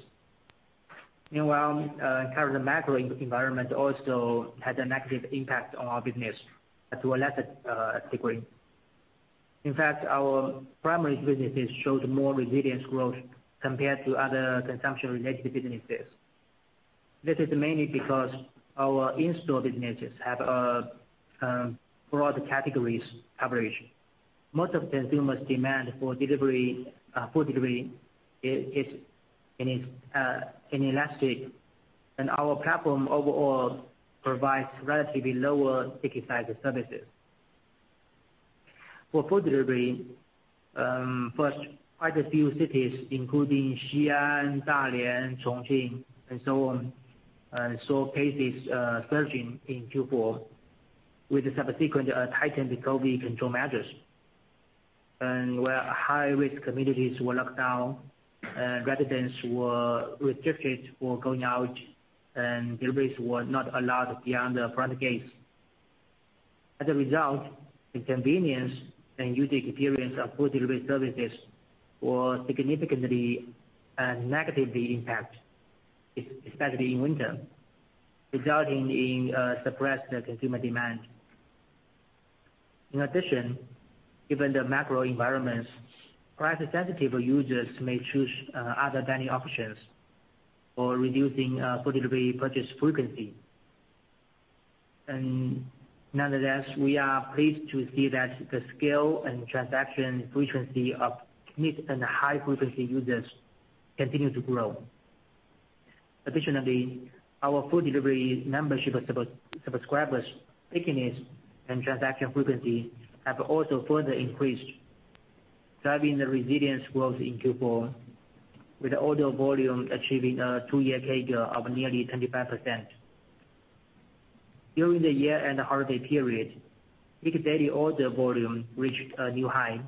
S3: Meanwhile, current macro environment also had a negative impact on our business to a lesser degree. In fact, our primary businesses showed more resilient growth compared to other consumption-related businesses. This is mainly because our in-store businesses have a broad categories coverage. Most consumers demand for delivery food delivery is inelastic, and our platform overall provides relatively lower ticket size services. For food delivery, for quite a few cities, including Xi'an, Dalian, Chongqing, and so on, saw cases surging in Q4 with the subsequent tightened COVID control measures. Where high-risk communities were locked down and residents were restricted for going out and deliveries were not allowed beyond the front gates. As a result, the convenience and user experience of food delivery services were significantly negatively impacted, especially in winter, resulting in suppressed consumer demand. In addition, given the macro environments, price-sensitive users may choose other dining options or reducing food delivery purchase frequency. Nonetheless, we are pleased to see that the scale and transaction frequency of mid and high-frequency users continue to grow. Additionally, our food delivery membership subscribers stickiness and transaction frequency have also further increased, driving the resilience growth in Q4 with order volume achieving a two-year CAGR of nearly 25%. During the year-end holiday period, peak daily order volume reached a new high,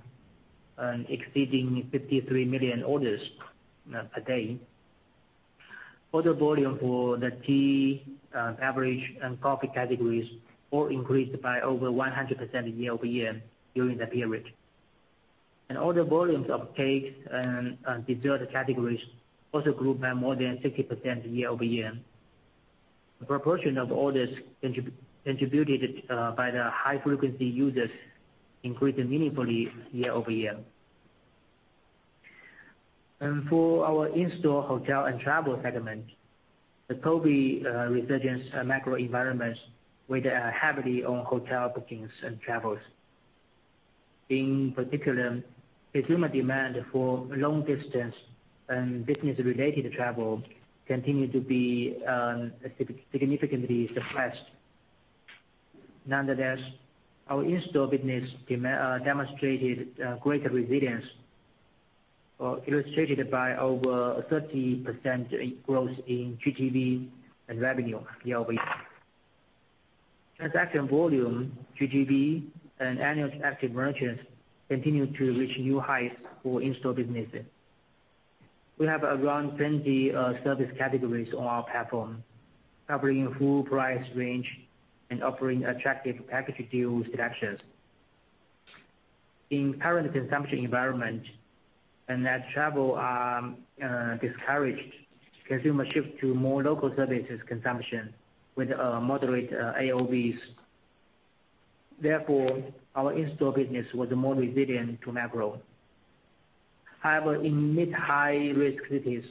S3: exceeding 53 million orders per day. Order volume for the tea, beverage and coffee categories all increased by over 100% year-over-year during the period. Order volumes of cakes and dessert categories also grew by more than 60% year-over-year. The proportion of orders contributed by the high-frequency users increased meaningfully year-over-year. For our in-store hotel and travel segment, the COVID resurgence macro environment weighed heavily on hotel bookings and travels. In particular, consumer demand for long distance and business-related travel continued to be significantly suppressed. Nonetheless, our in-store business demonstrated greater resilience, illustrated by over 30% growth in GTV and revenue year-over-year. Transaction volume, GTV, and annual active merchants continued to reach new highs for in-store businesses. We have around 20 service categories on our platform, covering a full price range and offering attractive package deal selections. In current consumption environment and that travel are discouraged, consumers shift to more local services consumption with moderate AOVs. Therefore, our in-store business was more resilient to macro. However, in mid high-risk cities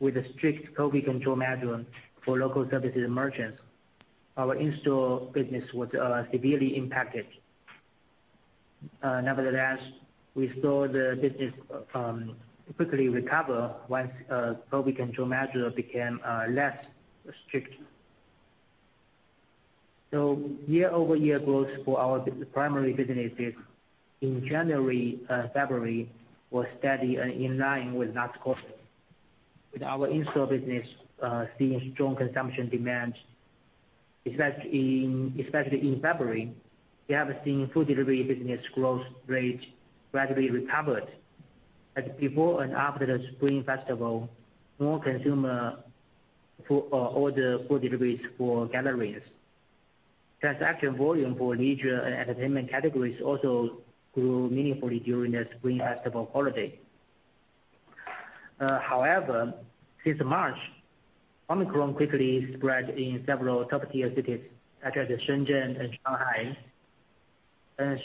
S3: with a strict COVID control measure for local services merchants, our in-store business was severely impacted. Nevertheless, we saw the business quickly recover once COVID control measure became less strict. Year-over-year growth for our primary businesses in January February was steady and in line with last quarter. With our in-store business seeing strong consumption demand, especially in February, we have seen food delivery business growth rate gradually recovered. As before and after the Spring Festival, more consumers order food deliveries for gatherings. Transaction volume for leisure and entertainment categories also grew meaningfully during the Spring Festival holiday. However, since March, Omicron quickly spread in several top-tier cities such as Shenzhen and Shanghai.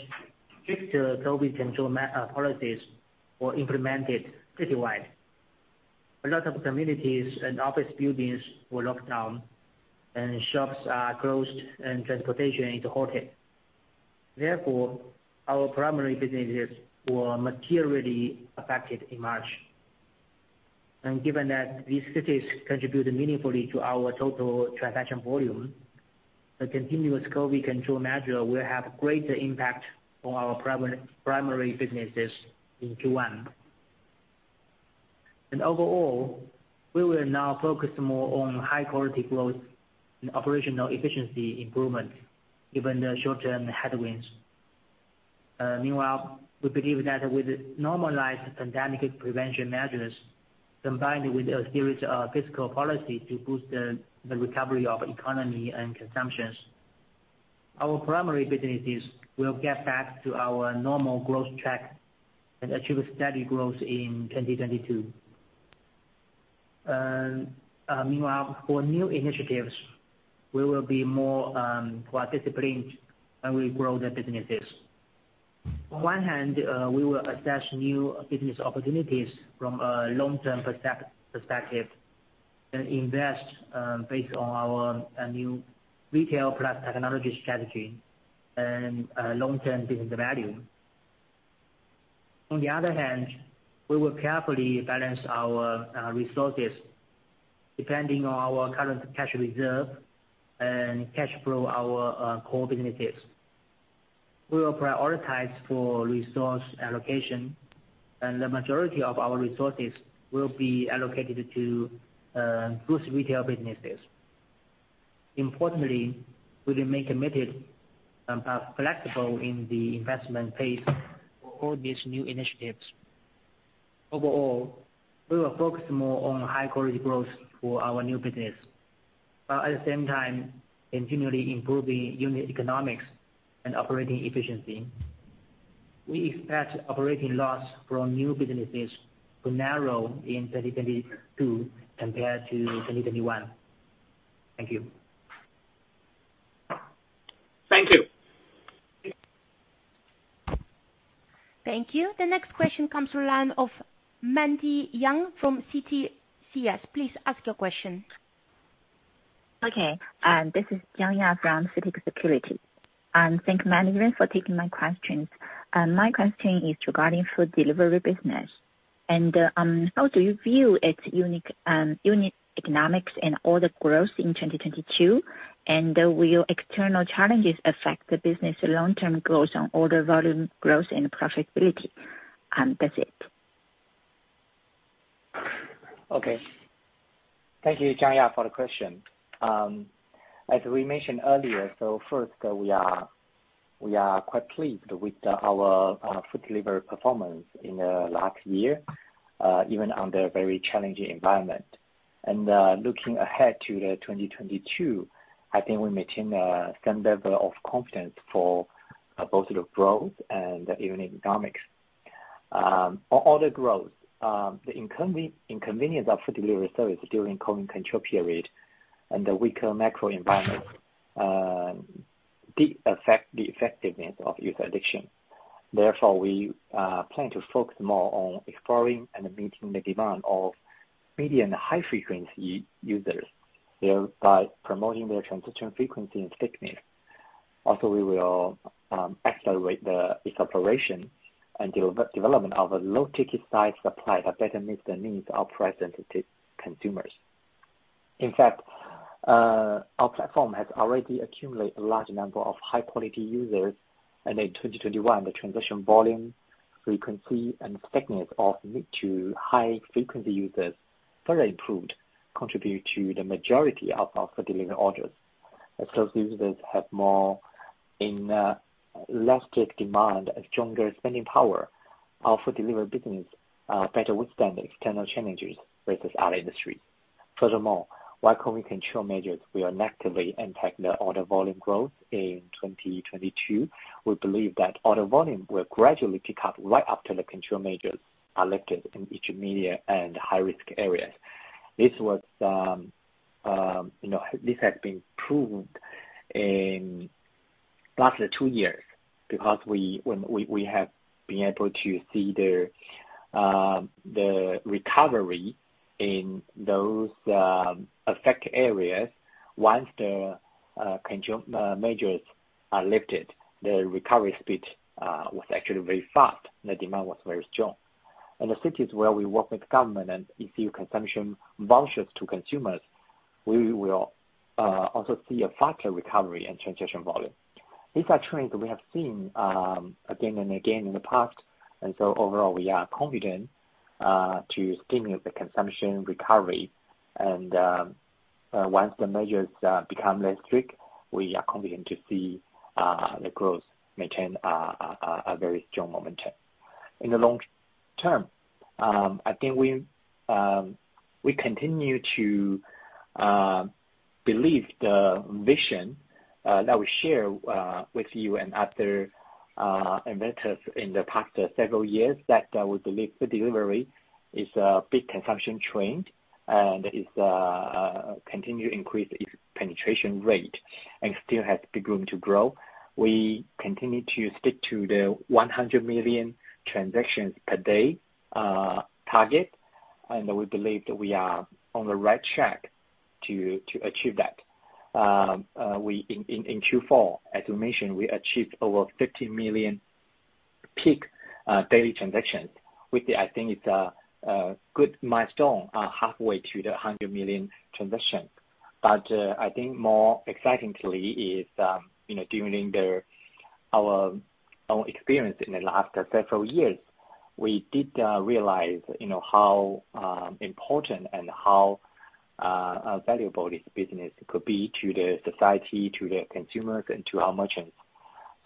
S3: Strict COVID control policies were implemented citywide. A lot of communities and office buildings were locked down and shops are closed and transportation is halted. Therefore, our primary businesses were materially affected in March. Given that these cities contribute meaningfully to our total transaction volume, the continuous COVID control measure will have greater impact on our primary businesses in Q1. Overall, we will now focus more on high-quality growth and operational efficiency improvement given the short-term headwinds.
S4: Meanwhile, we believe that with normalized pandemic prevention measures, combined with a series of fiscal policy to boost the recovery of economy and consumption, our primary businesses will get back to our normal growth track and achieve steady growth in 2022. Meanwhile, for new initiatives, we will be more participating and we grow the businesses. On one hand, we will assess new business opportunities from a long-term perspective and invest based on our new retail plus technology strategy and long-term business value. On the other hand, we will carefully balance our resources depending on our current cash reserve and cash flow, our core businesses. We will prioritize for resource allocation, and the majority of our resources will be allocated to boost retail businesses. Importantly, we will make it more flexible in the investment pace for all these new initiatives. Overall, we will focus more on high-quality growth for our new business, while at the same time continually improving unit economics and operating efficiency. We expect operating loss from new businesses to narrow in 2022 compared to 2021. Thank you.
S6: Thank you.
S1: Thank you. The next question comes from the line of Ya Jiang from CITIC Securities. Please ask your question.
S7: Okay. This is Ya Jiang from CITIC Securities. Thank management for taking my questions. My question is regarding food delivery business. How do you view its unique unit economics and order growth in 2022? Will external challenges affect the business long-term growth on order volume growth and profitability? That's it.
S4: Okay. Thank you, Ya Jiang, for the question. As we mentioned earlier, first we are quite pleased with our food delivery performance in the last year, even in the very challenging environment. Looking ahead to 2022, I think we maintain a certain level of confidence for both the growth and unit economics. On order growth, the inconvenience of food delivery service during COVID control period and the weaker macro environment affect the effectiveness of user acquisition. Therefore, we plan to focus more on exploring and meeting the demand of medium, high-frequency users by promoting their transaction frequency and stickiness. Also, we will accelerate its operation and development of a low ticket size supply that better meets the needs of present consumers. In fact, our platform has already accumulate a large number of high quality users, and in 2021, the transaction volume, frequency, and thickness of mid to high frequency users further improved, contribute to the majority of our food delivery orders. As those users have more inelastic demand, a stronger spending power, our food delivery business better withstand the external challenges versus our industry. Furthermore, while COVID control measures will negatively impact the order volume growth in 2022, we believe that order volume will gradually pick up right after the control measures are lifted in each medium and high-risk areas. You know, this has been proved in last two years because we have been able to see the recovery in those affected areas once the control measures are lifted. The recovery speed was actually very fast. The demand was very strong. In the cities where we work with government and issue consumption vouchers to consumers, we will also see a faster recovery and transition volume. These are trends we have seen again and again in the past. Overall, we are confident to stimulate the consumption recovery. Once the measures become less strict, we are confident to see the growth maintain a very strong momentum. In the long term, I think we continue to believe the vision that we share with you and other investors in the past several years that we believe the delivery is a big consumption trend and is continue to increase its penetration rate and still has big room to grow. We continue to stick to the 100 million transactions per day target. We believe that we are on the right track to achieve that. In Q4, as we mentioned, we achieved over 50 million peak daily transactions, which I think is a good milestone, halfway to the 100 million transactions. I think more excitingly is, you know, during our own experience in the last several years. We did realize, you know, how important and how valuable this business could be to the society, to the consumers, and to our merchants.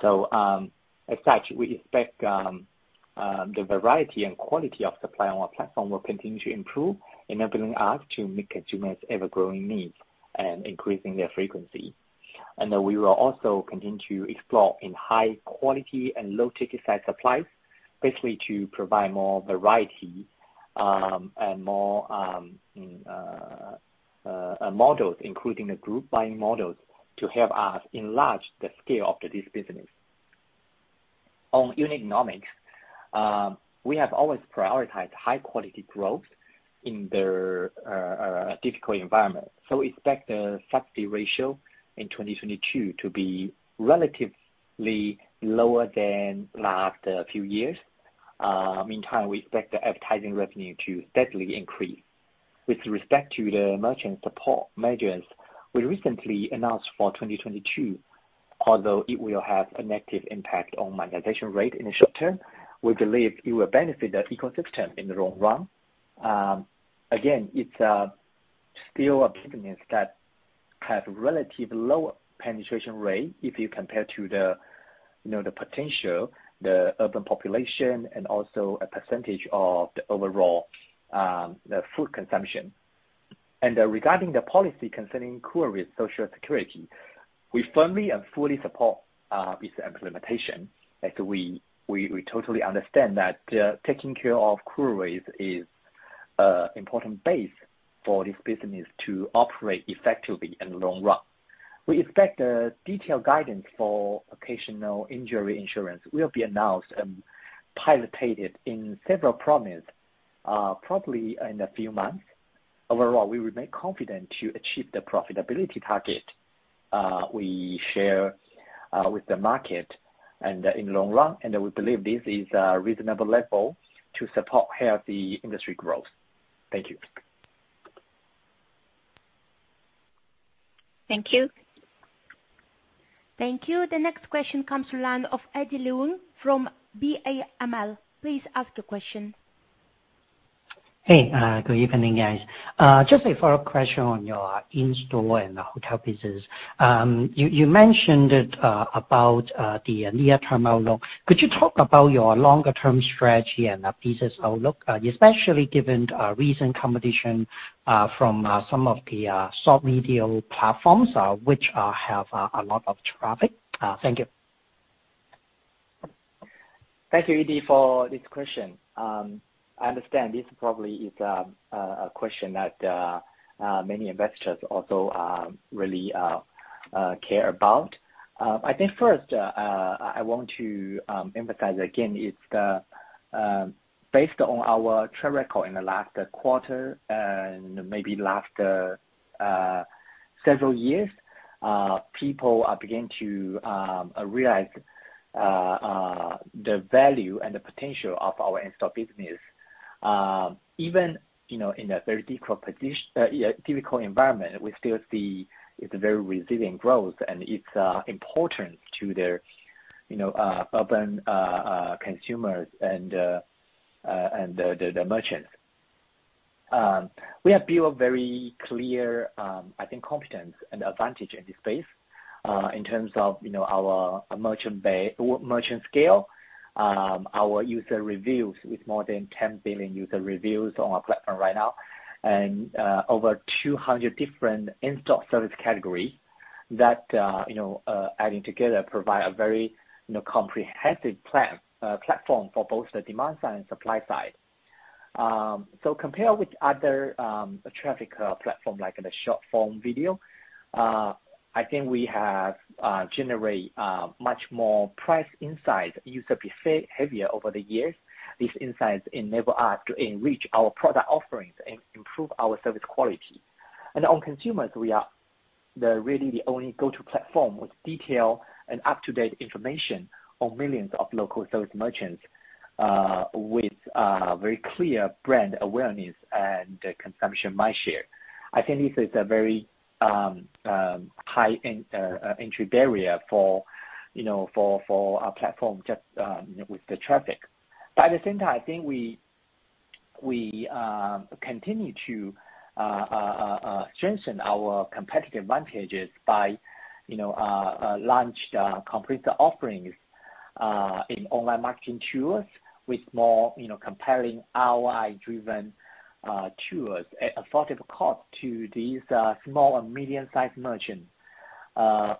S4: As such, we expect the variety and quality of supply on our platform will continue to improve, enabling us to meet consumers' ever-growing needs and increasing their frequency. We will also continue to explore in high quality and low ticket size supplies, basically to provide more variety, and more models, including the group buying models, to help us enlarge the scale of this business. On unit economics, we have always prioritized high quality growth in the difficult environment. We expect the subsidy ratio in 2022 to be relatively lower than last few years. Meantime, we expect the advertising revenue to steadily increase. With respect to the merchant support measures we recently announced for 2022, although it will have a negative impact on monetization rate in the short term, we believe it will benefit the ecosystem in the long run. Again, it's still a business that has relatively low penetration rate if you compare to the, you know, the potential, the urban population and also a percentage of the overall, the food consumption. Regarding the policy concerning courier's social security, we firmly and fully support its implementation as we totally understand that taking care of couriers is an important base for this business to operate effectively in the long run. We expect a detailed guidance for occasional injury insurance will be announced and piloted in several provinces, probably in a few months. Overall, we remain confident to achieve the profitability target we share with the market and in the long run. We believe this is a reasonable level to support healthy industry growth. Thank you.
S7: Thank you.
S1: Thank you. The next question comes from the line of Eddie Leung from BAML. Please ask your question.
S8: Hey, good evening, guys. Just a follow-up question on your in-store and hotel business. You mentioned it about the near-term outlook. Could you talk about your longer term strategy and business outlook, especially given recent competition from some of the social media platforms which have a lot of traffic? Thank you.
S4: Thank you, Eddie, for this question. I understand this probably is a question that many investors also really care about. I think first I want to emphasize again, it's based on our track record in the last quarter and maybe last several years, people are beginning to realize the value and the potential of our in-store business. Even, you know, in a very difficult environment, we still see it's a very resilient growth, and it's important to their, you know, urban consumers and the merchants. We have built a very clear, I think, competitiveness and advantage in this space, in terms of, you know, our merchant scale, our user reviews with more than 10 billion user reviews on our platform right now. Over 200 different in-store service category that, you know, adding together provide a very, you know, comprehensive platform for both the demand side and supply side. Compared with other traffic platform like the short-form video, I think we have generated much more precise insights into user behavior over the years. These insights enable us to enrich our product offerings and improve our service quality. On consumers, we are really the only go-to platform with detailed and up-to-date information on millions of local service merchants, with very clear brand awareness and consumption mindshare. I think this is a very high entry barrier for our platform, just with the traffic. But at the same time, I think we continue to strengthen our competitive advantages by launching complete offerings in online marketing tools with more comparable ROI-driven tools at affordable cost to these small and medium-sized merchants.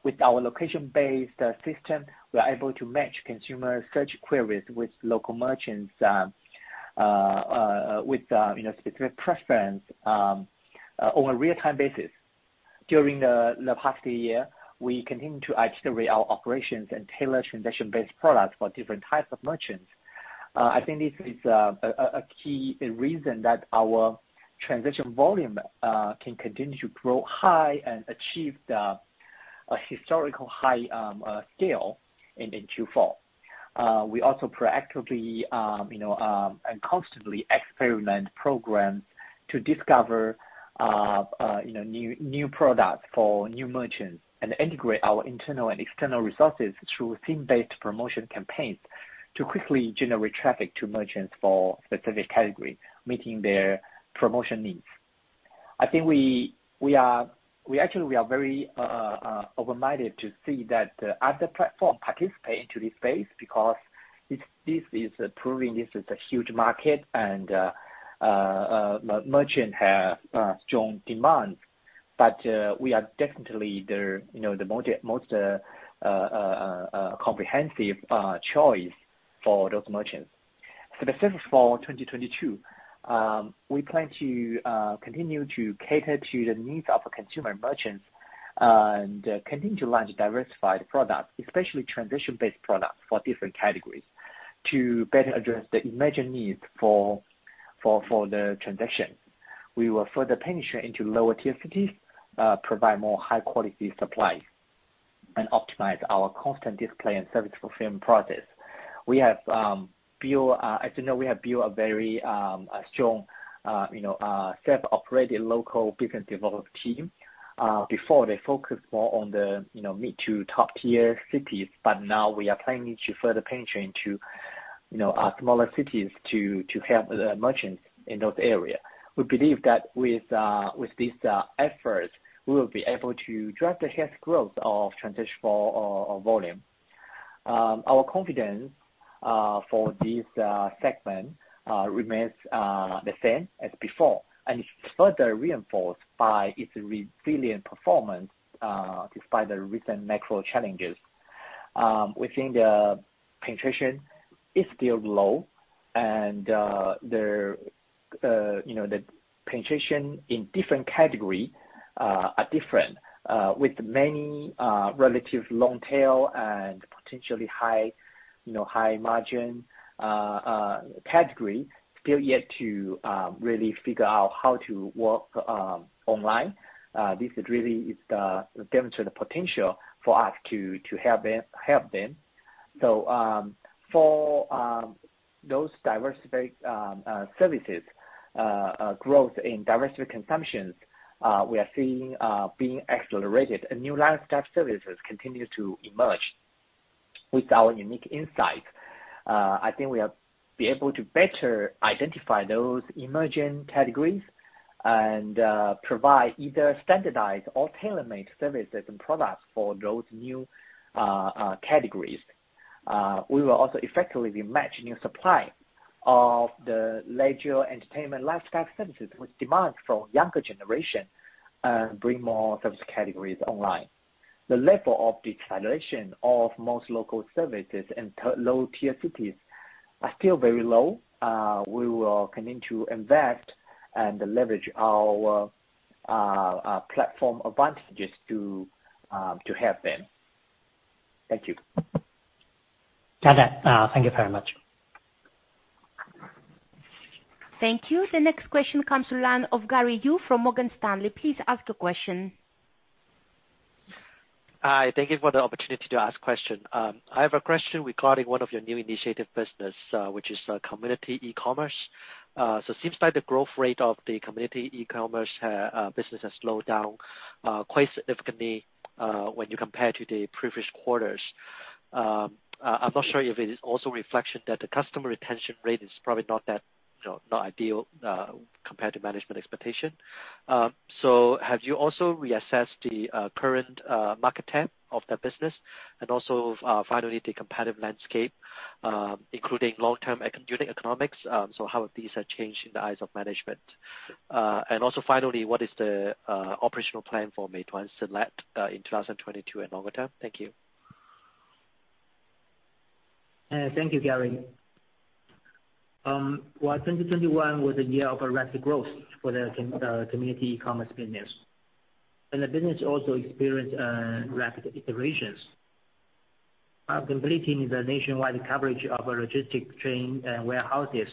S4: With our location-based system, we are able to match consumer search queries with local merchants with specific preference on a real-time basis. During the past year, we continued to iterate our operations and tailor transaction-based products for different types of merchants. I think this is a key reason that our transaction volume can continue to grow high and achieve a historical high scale in Q4. We also proactively and constantly experiment programs to discover new products for new merchants and integrate our internal and external resources through theme-based promotion campaigns to quickly generate traffic to merchants for specific categories, meeting their promotion needs. I think we actually are very open-minded to see that other platforms participate into this space because this is proving this is a huge market and merchants have strong demand. We are definitely you know the most comprehensive choice for those merchants. For the second for 2022, we plan to continue to cater to the needs of consumer merchants and continue to launch diversified products, especially transaction-based products for different categories, to better address the emerging needs for the transaction. We will further penetrate into lower tier cities, provide more high quality supplies and optimize our content display and service fulfillment process. We have built, as you know, a very strong you know self-operated local business development team. Before they focus more on the you know mid to top tier cities, but now we are planning to further penetrate into you know smaller cities to help the merchants in those areas. We believe that with these efforts, we will be able to drive the healthy growth of transactions for volume. Our confidence for this segment remains the same as before and further reinforced by its resilient performance despite the recent macro challenges. We think the penetration is still low and you know the penetration in different categories are different with many relatively long-tail and potentially high you know high-margin categories still yet to really figure out how to work online. This really demonstrates the potential for us to help them. For those diversified services, growth in diversified consumption services we are seeing being accelerated and new lifestyle services continue to emerge with our unique insights. I think we are able to better identify those emerging categories and provide either standardized or tailor-made services and products for those new categories. We will also effectively match new supply of the leisure entertainment lifestyle services with demand from younger generation and bring more service categories online. The level of penetration of most local services and low-tier cities are still very low. We will continue to invest and leverage our platform advantages to help them. Thank you.
S8: Got it. Thank you very much.
S1: Thank you. The next question comes from the line of Gary Yu from Morgan Stanley. Please ask the question.
S9: Hi. Thank you for the opportunity to ask a question. I have a question regarding one of your new initiative business, which is community e-commerce. Seems like the growth rate of the community e-commerce business has slowed down quite significantly when you compare to the previous quarters. I'm not sure if it is also a reflection that the customer retention rate is probably not that, you know, not ideal compared to management expectation. Have you also reassessed the current market TAM of the business? Also, finally, the competitive landscape, including long-term unit economics. How have these changed in the eyes of management? Also finally, what is the operational plan for Meituan Select in 2022 and longer term? Thank you.
S4: Thank you, Gary. Well, 2021 was a year of rapid growth for the community e-commerce business, and the business also experienced rapid iterations. Completing the nationwide coverage of our logistics chain and warehouses,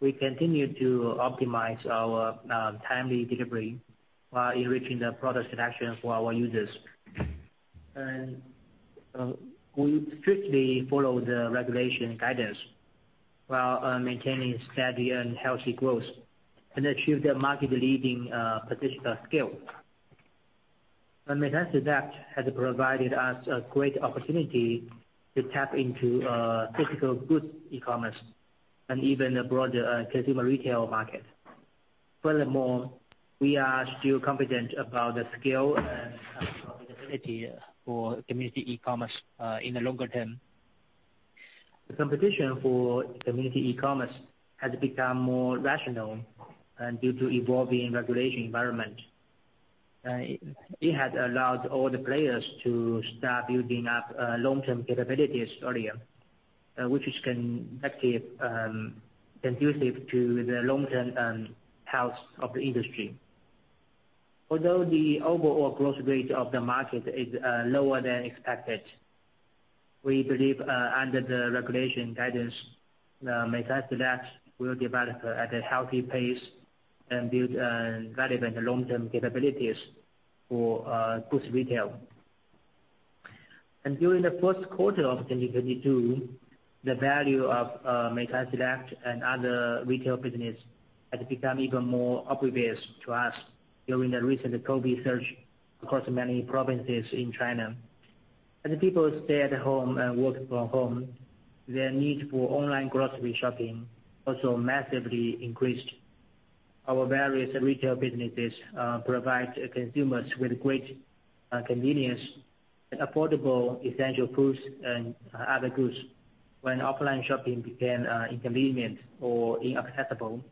S4: we continue to optimize our timely delivery while enriching the product selection for our users. We strictly follow the regulatory guidance while maintaining steady and healthy growth and achieve the market-leading positional scale. Meituan Select has provided us a great opportunity to tap into physical goods e-commerce and even a broader consumer retail market. Furthermore, we are still confident about the scale and profitability for community e-commerce in the longer term. The competition for community e-commerce has become more rational and due to evolving regulation environment. It has allowed all the players to start building up long-term capabilities earlier, which is conducive to the long-term health of the industry. Although the overall growth rate of the market is lower than expected, we believe under the regulation guidance, Meituan Select will develop at a healthy pace and build relevant long-term capabilities for goods retail. During the Q1 of 2022, the value of Meituan Select and other retail business has become even more obvious to us during the recent COVID surge across many provinces in China. As people stay at home and work from home, their need for online grocery shopping also massively increased. Our various retail businesses provide consumers with great convenience and affordable essential foods and other goods when offline shopping became inconvenient or inaccessible,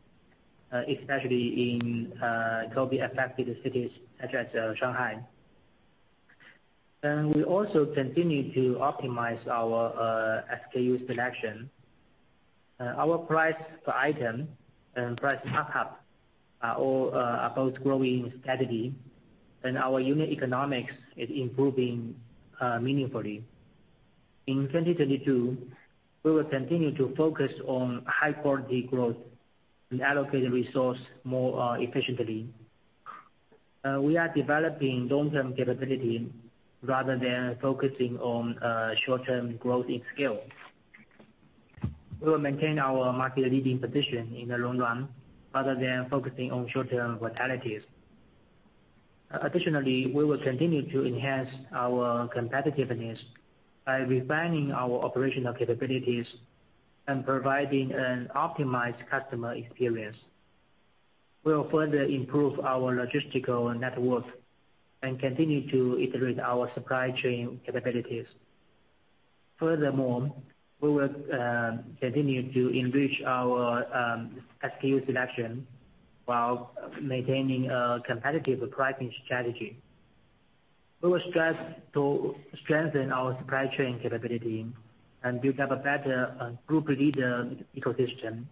S4: especially in COVID affected cities such as Shanghai. We also continue to optimize our SKU selection. Our price per item and price markup are all both growing steadily, and our unit economics is improving meaningfully. In 2022, we will continue to focus on high-quality growth and allocate the resource more efficiently. We are developing long-term capability rather than focusing on short-term growth in scale. We will maintain our market leading position in the long run rather than focusing on short-term volatilities. Additionally, we will continue to enhance our competitiveness by refining our operational capabilities and providing an optimized customer experience. We will further improve our logistical network and continue to iterate our supply chain capabilities. Furthermore, we will continue to enrich our SKU selection while maintaining a competitive pricing strategy. We will strive to strengthen our supply chain capability and build up a better group leader ecosystem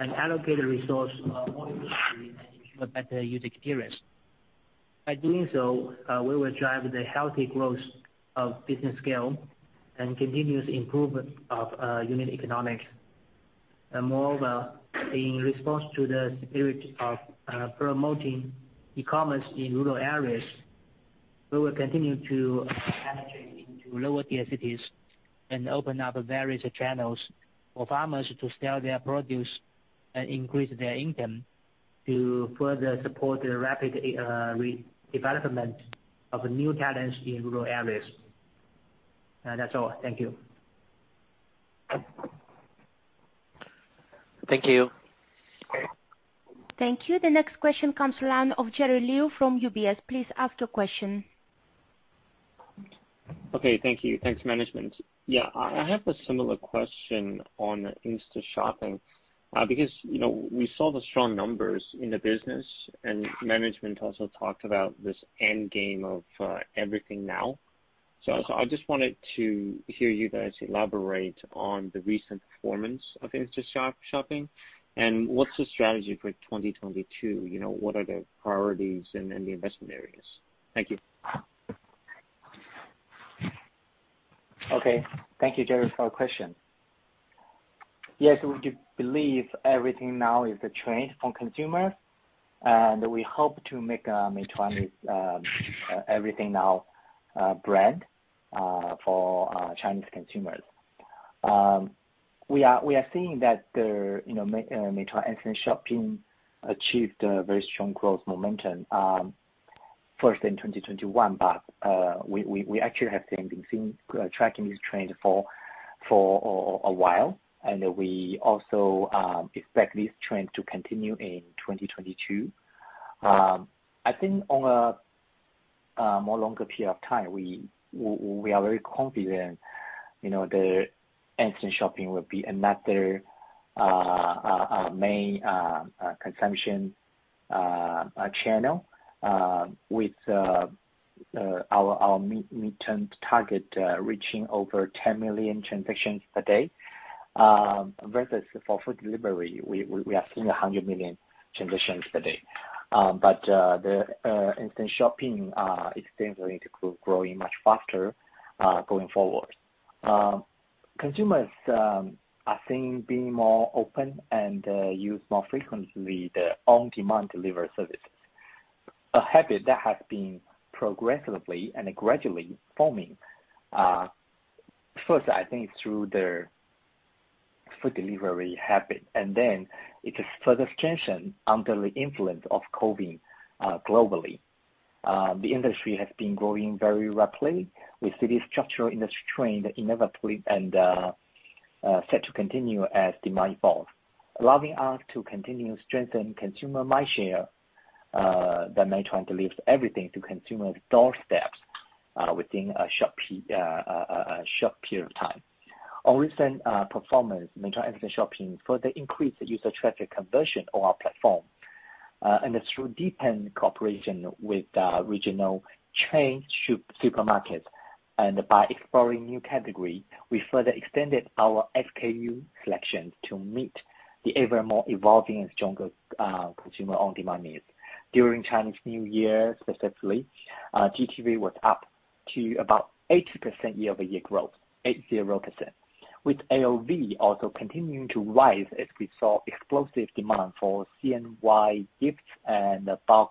S4: and allocate the resource more efficiently and ensure better user experience. By doing so, we will drive the healthy growth of business scale and continuous improvement of unit economics. Moreover, in response to the spirit of promoting e-commerce in rural areas, we will continue to penetrate into lower tier cities and open up various channels for farmers to sell their produce and increase their income to further support the rapid re-development of new talents in rural areas. That's all. Thank you.
S9: Thank you.
S1: Thank you. The next question comes from the line of Jerry Liu from UBS. Please ask your question.
S10: Okay. Thank you. Thanks, management. Yeah. I have a similar question on instant shopping, because, you know, we saw the strong numbers in the business, and management also talked about this end game of Everything Now. I just wanted to hear you guys elaborate on the recent performance of instant shopping and what's the strategy for 2022? You know, what are the priorities and the investment areas? Thank you.
S4: Okay. Thank you, Jerry, for your question. Yes, we do believe Everything Now is the trend for consumers, and we hope to make Meituan Everything Now brand for Chinese consumers. We are seeing that there, you know, Meituan instant shopping achieved a very strong growth momentum first in 2021, but we actually have been tracking this trend for a while. We also expect this trend to continue in 2022. I think on a more longer period of time, we are very confident, you know, the instant shopping will be another main consumption channel with our midterm target reaching over 10 million transactions per day. Versus for food delivery, we are seeing 100 million transactions per day. The instant shopping growing much faster going forward. Consumers are being more open and use more frequently the on-demand delivery services. A habit that has been progressively and gradually forming, first, I think through their food delivery habit, and then it has further strengthened under the influence of COVID globally. The industry has been growing very rapidly. We see this structural industry trend inevitably and set to continue as demand evolves, allowing us to continue to strengthen consumer mindshare that may try and deliver everything to consumer doorsteps within a short period of time. Our recent performance, Meituan Instashopping, further increased user traffic conversion on our platform. Through deepened cooperation with the regional chain supermarket and by exploring new category, we further extended our SKU selection to meet the ever more evolving and stronger consumer on-demand needs. During Chinese New Year specifically, GTV was up to about 80% year-over-year growth, with AOV also continuing to rise as we saw explosive demand for CNY gifts and bulk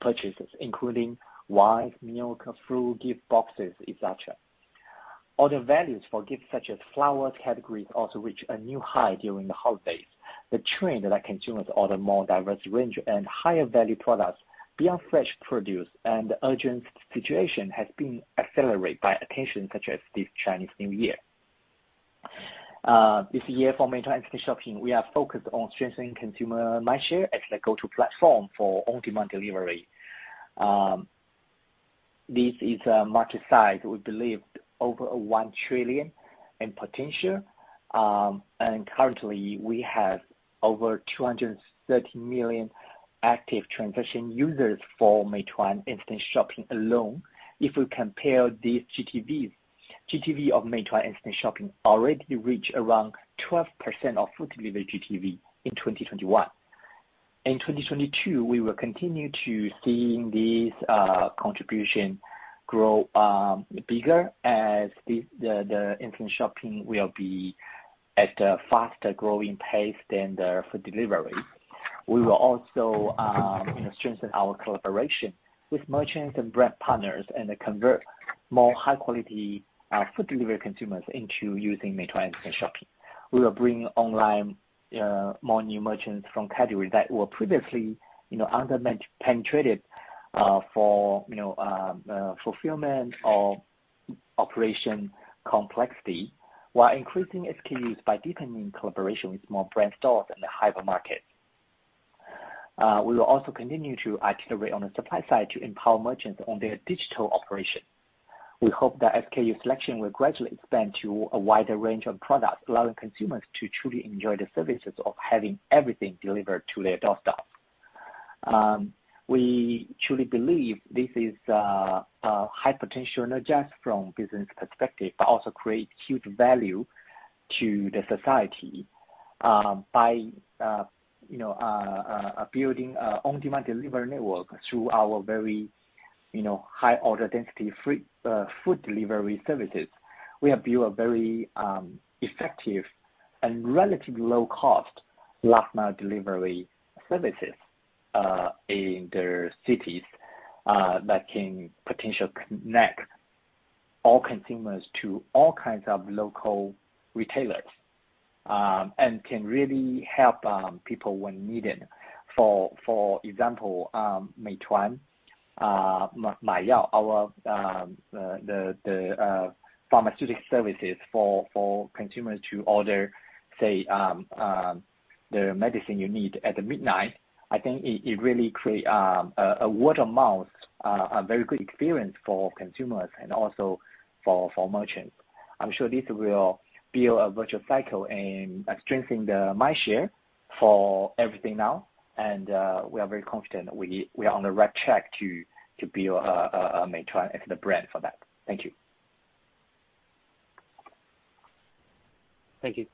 S4: purchases, including wine, milk, fruit gift boxes, et cetera. Order values for gifts such as flower categories also reach a new high during the holidays. The trend that consumers order more diverse range and higher value products beyond fresh produce and urgent situation has been accelerated by occasions such as this Chinese New Year. This year for Meituan Instashopping, we are focused on strengthening consumer mindshare as a go-to platform for on-demand delivery. This is a market size we believe over 1 trillion in potential. Currently, we have over 230 million active transaction users for Meituan Instashopping alone. If we compare these GTVs, GTV of Meituan Instashopping already reached around 12% of food delivery GTV in 2021. In 2022, we will continue to seeing this contribution grow bigger as the Instant Shopping will be at a faster growing pace than the food delivery. We will also you know, strengthen our collaboration with merchants and brand partners and convert more high quality food delivery consumers into using Meituan Instashopping. We will bring online more new merchants from categories that were previously, you know, underpenetrated for fulfillment or operation complexity, while increasing SKUs by deepening collaboration with more brand stores in the hypermarket. We will also continue to accelerate on the supply side to empower merchants on their digital operation. We hope that SKU selection will gradually expand to a wider range of products, allowing consumers to truly enjoy the services of having everything delivered to their doorsteps. We truly believe this is high potential, not just from business perspective, but also creates huge value to the society by building an on-demand delivery network through our very, you know, high order density from food delivery services. We have built a very effective and relatively low-cost last mile delivery services in the cities that can potentially connect all consumers to all kinds of local retailers and can really help people when needed. For example, Meituan Maiyao, our the pharmaceutic services for consumers to order, say, the medicine you need at midnight, I think it really create a word of mouth, a very good experience for consumers and also for merchants. I'm sure this will build a virtuous cycle in strengthening the mindshare for Everything Now, and we are very confident we are on the right track to build a Meituan as the brand for that. Thank you.
S10: Thank you.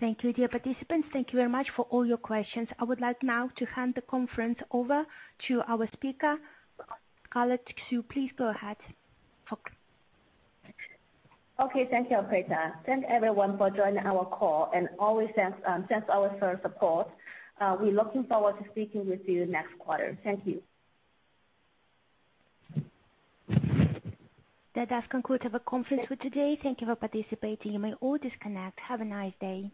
S1: Thank you, dear participants. Thank you very much for all your questions. I would like now to hand the conference over to our speaker, Scarlett Xu, please go ahead. Talk.
S2: Okay. Thank you, operator. Thank everyone for joining our call, and always thanks for your support. We're looking forward to speaking with you next quarter. Thank you.
S1: That does conclude our conference for today. Thank you for participating. You may all disconnect. Have a nice day.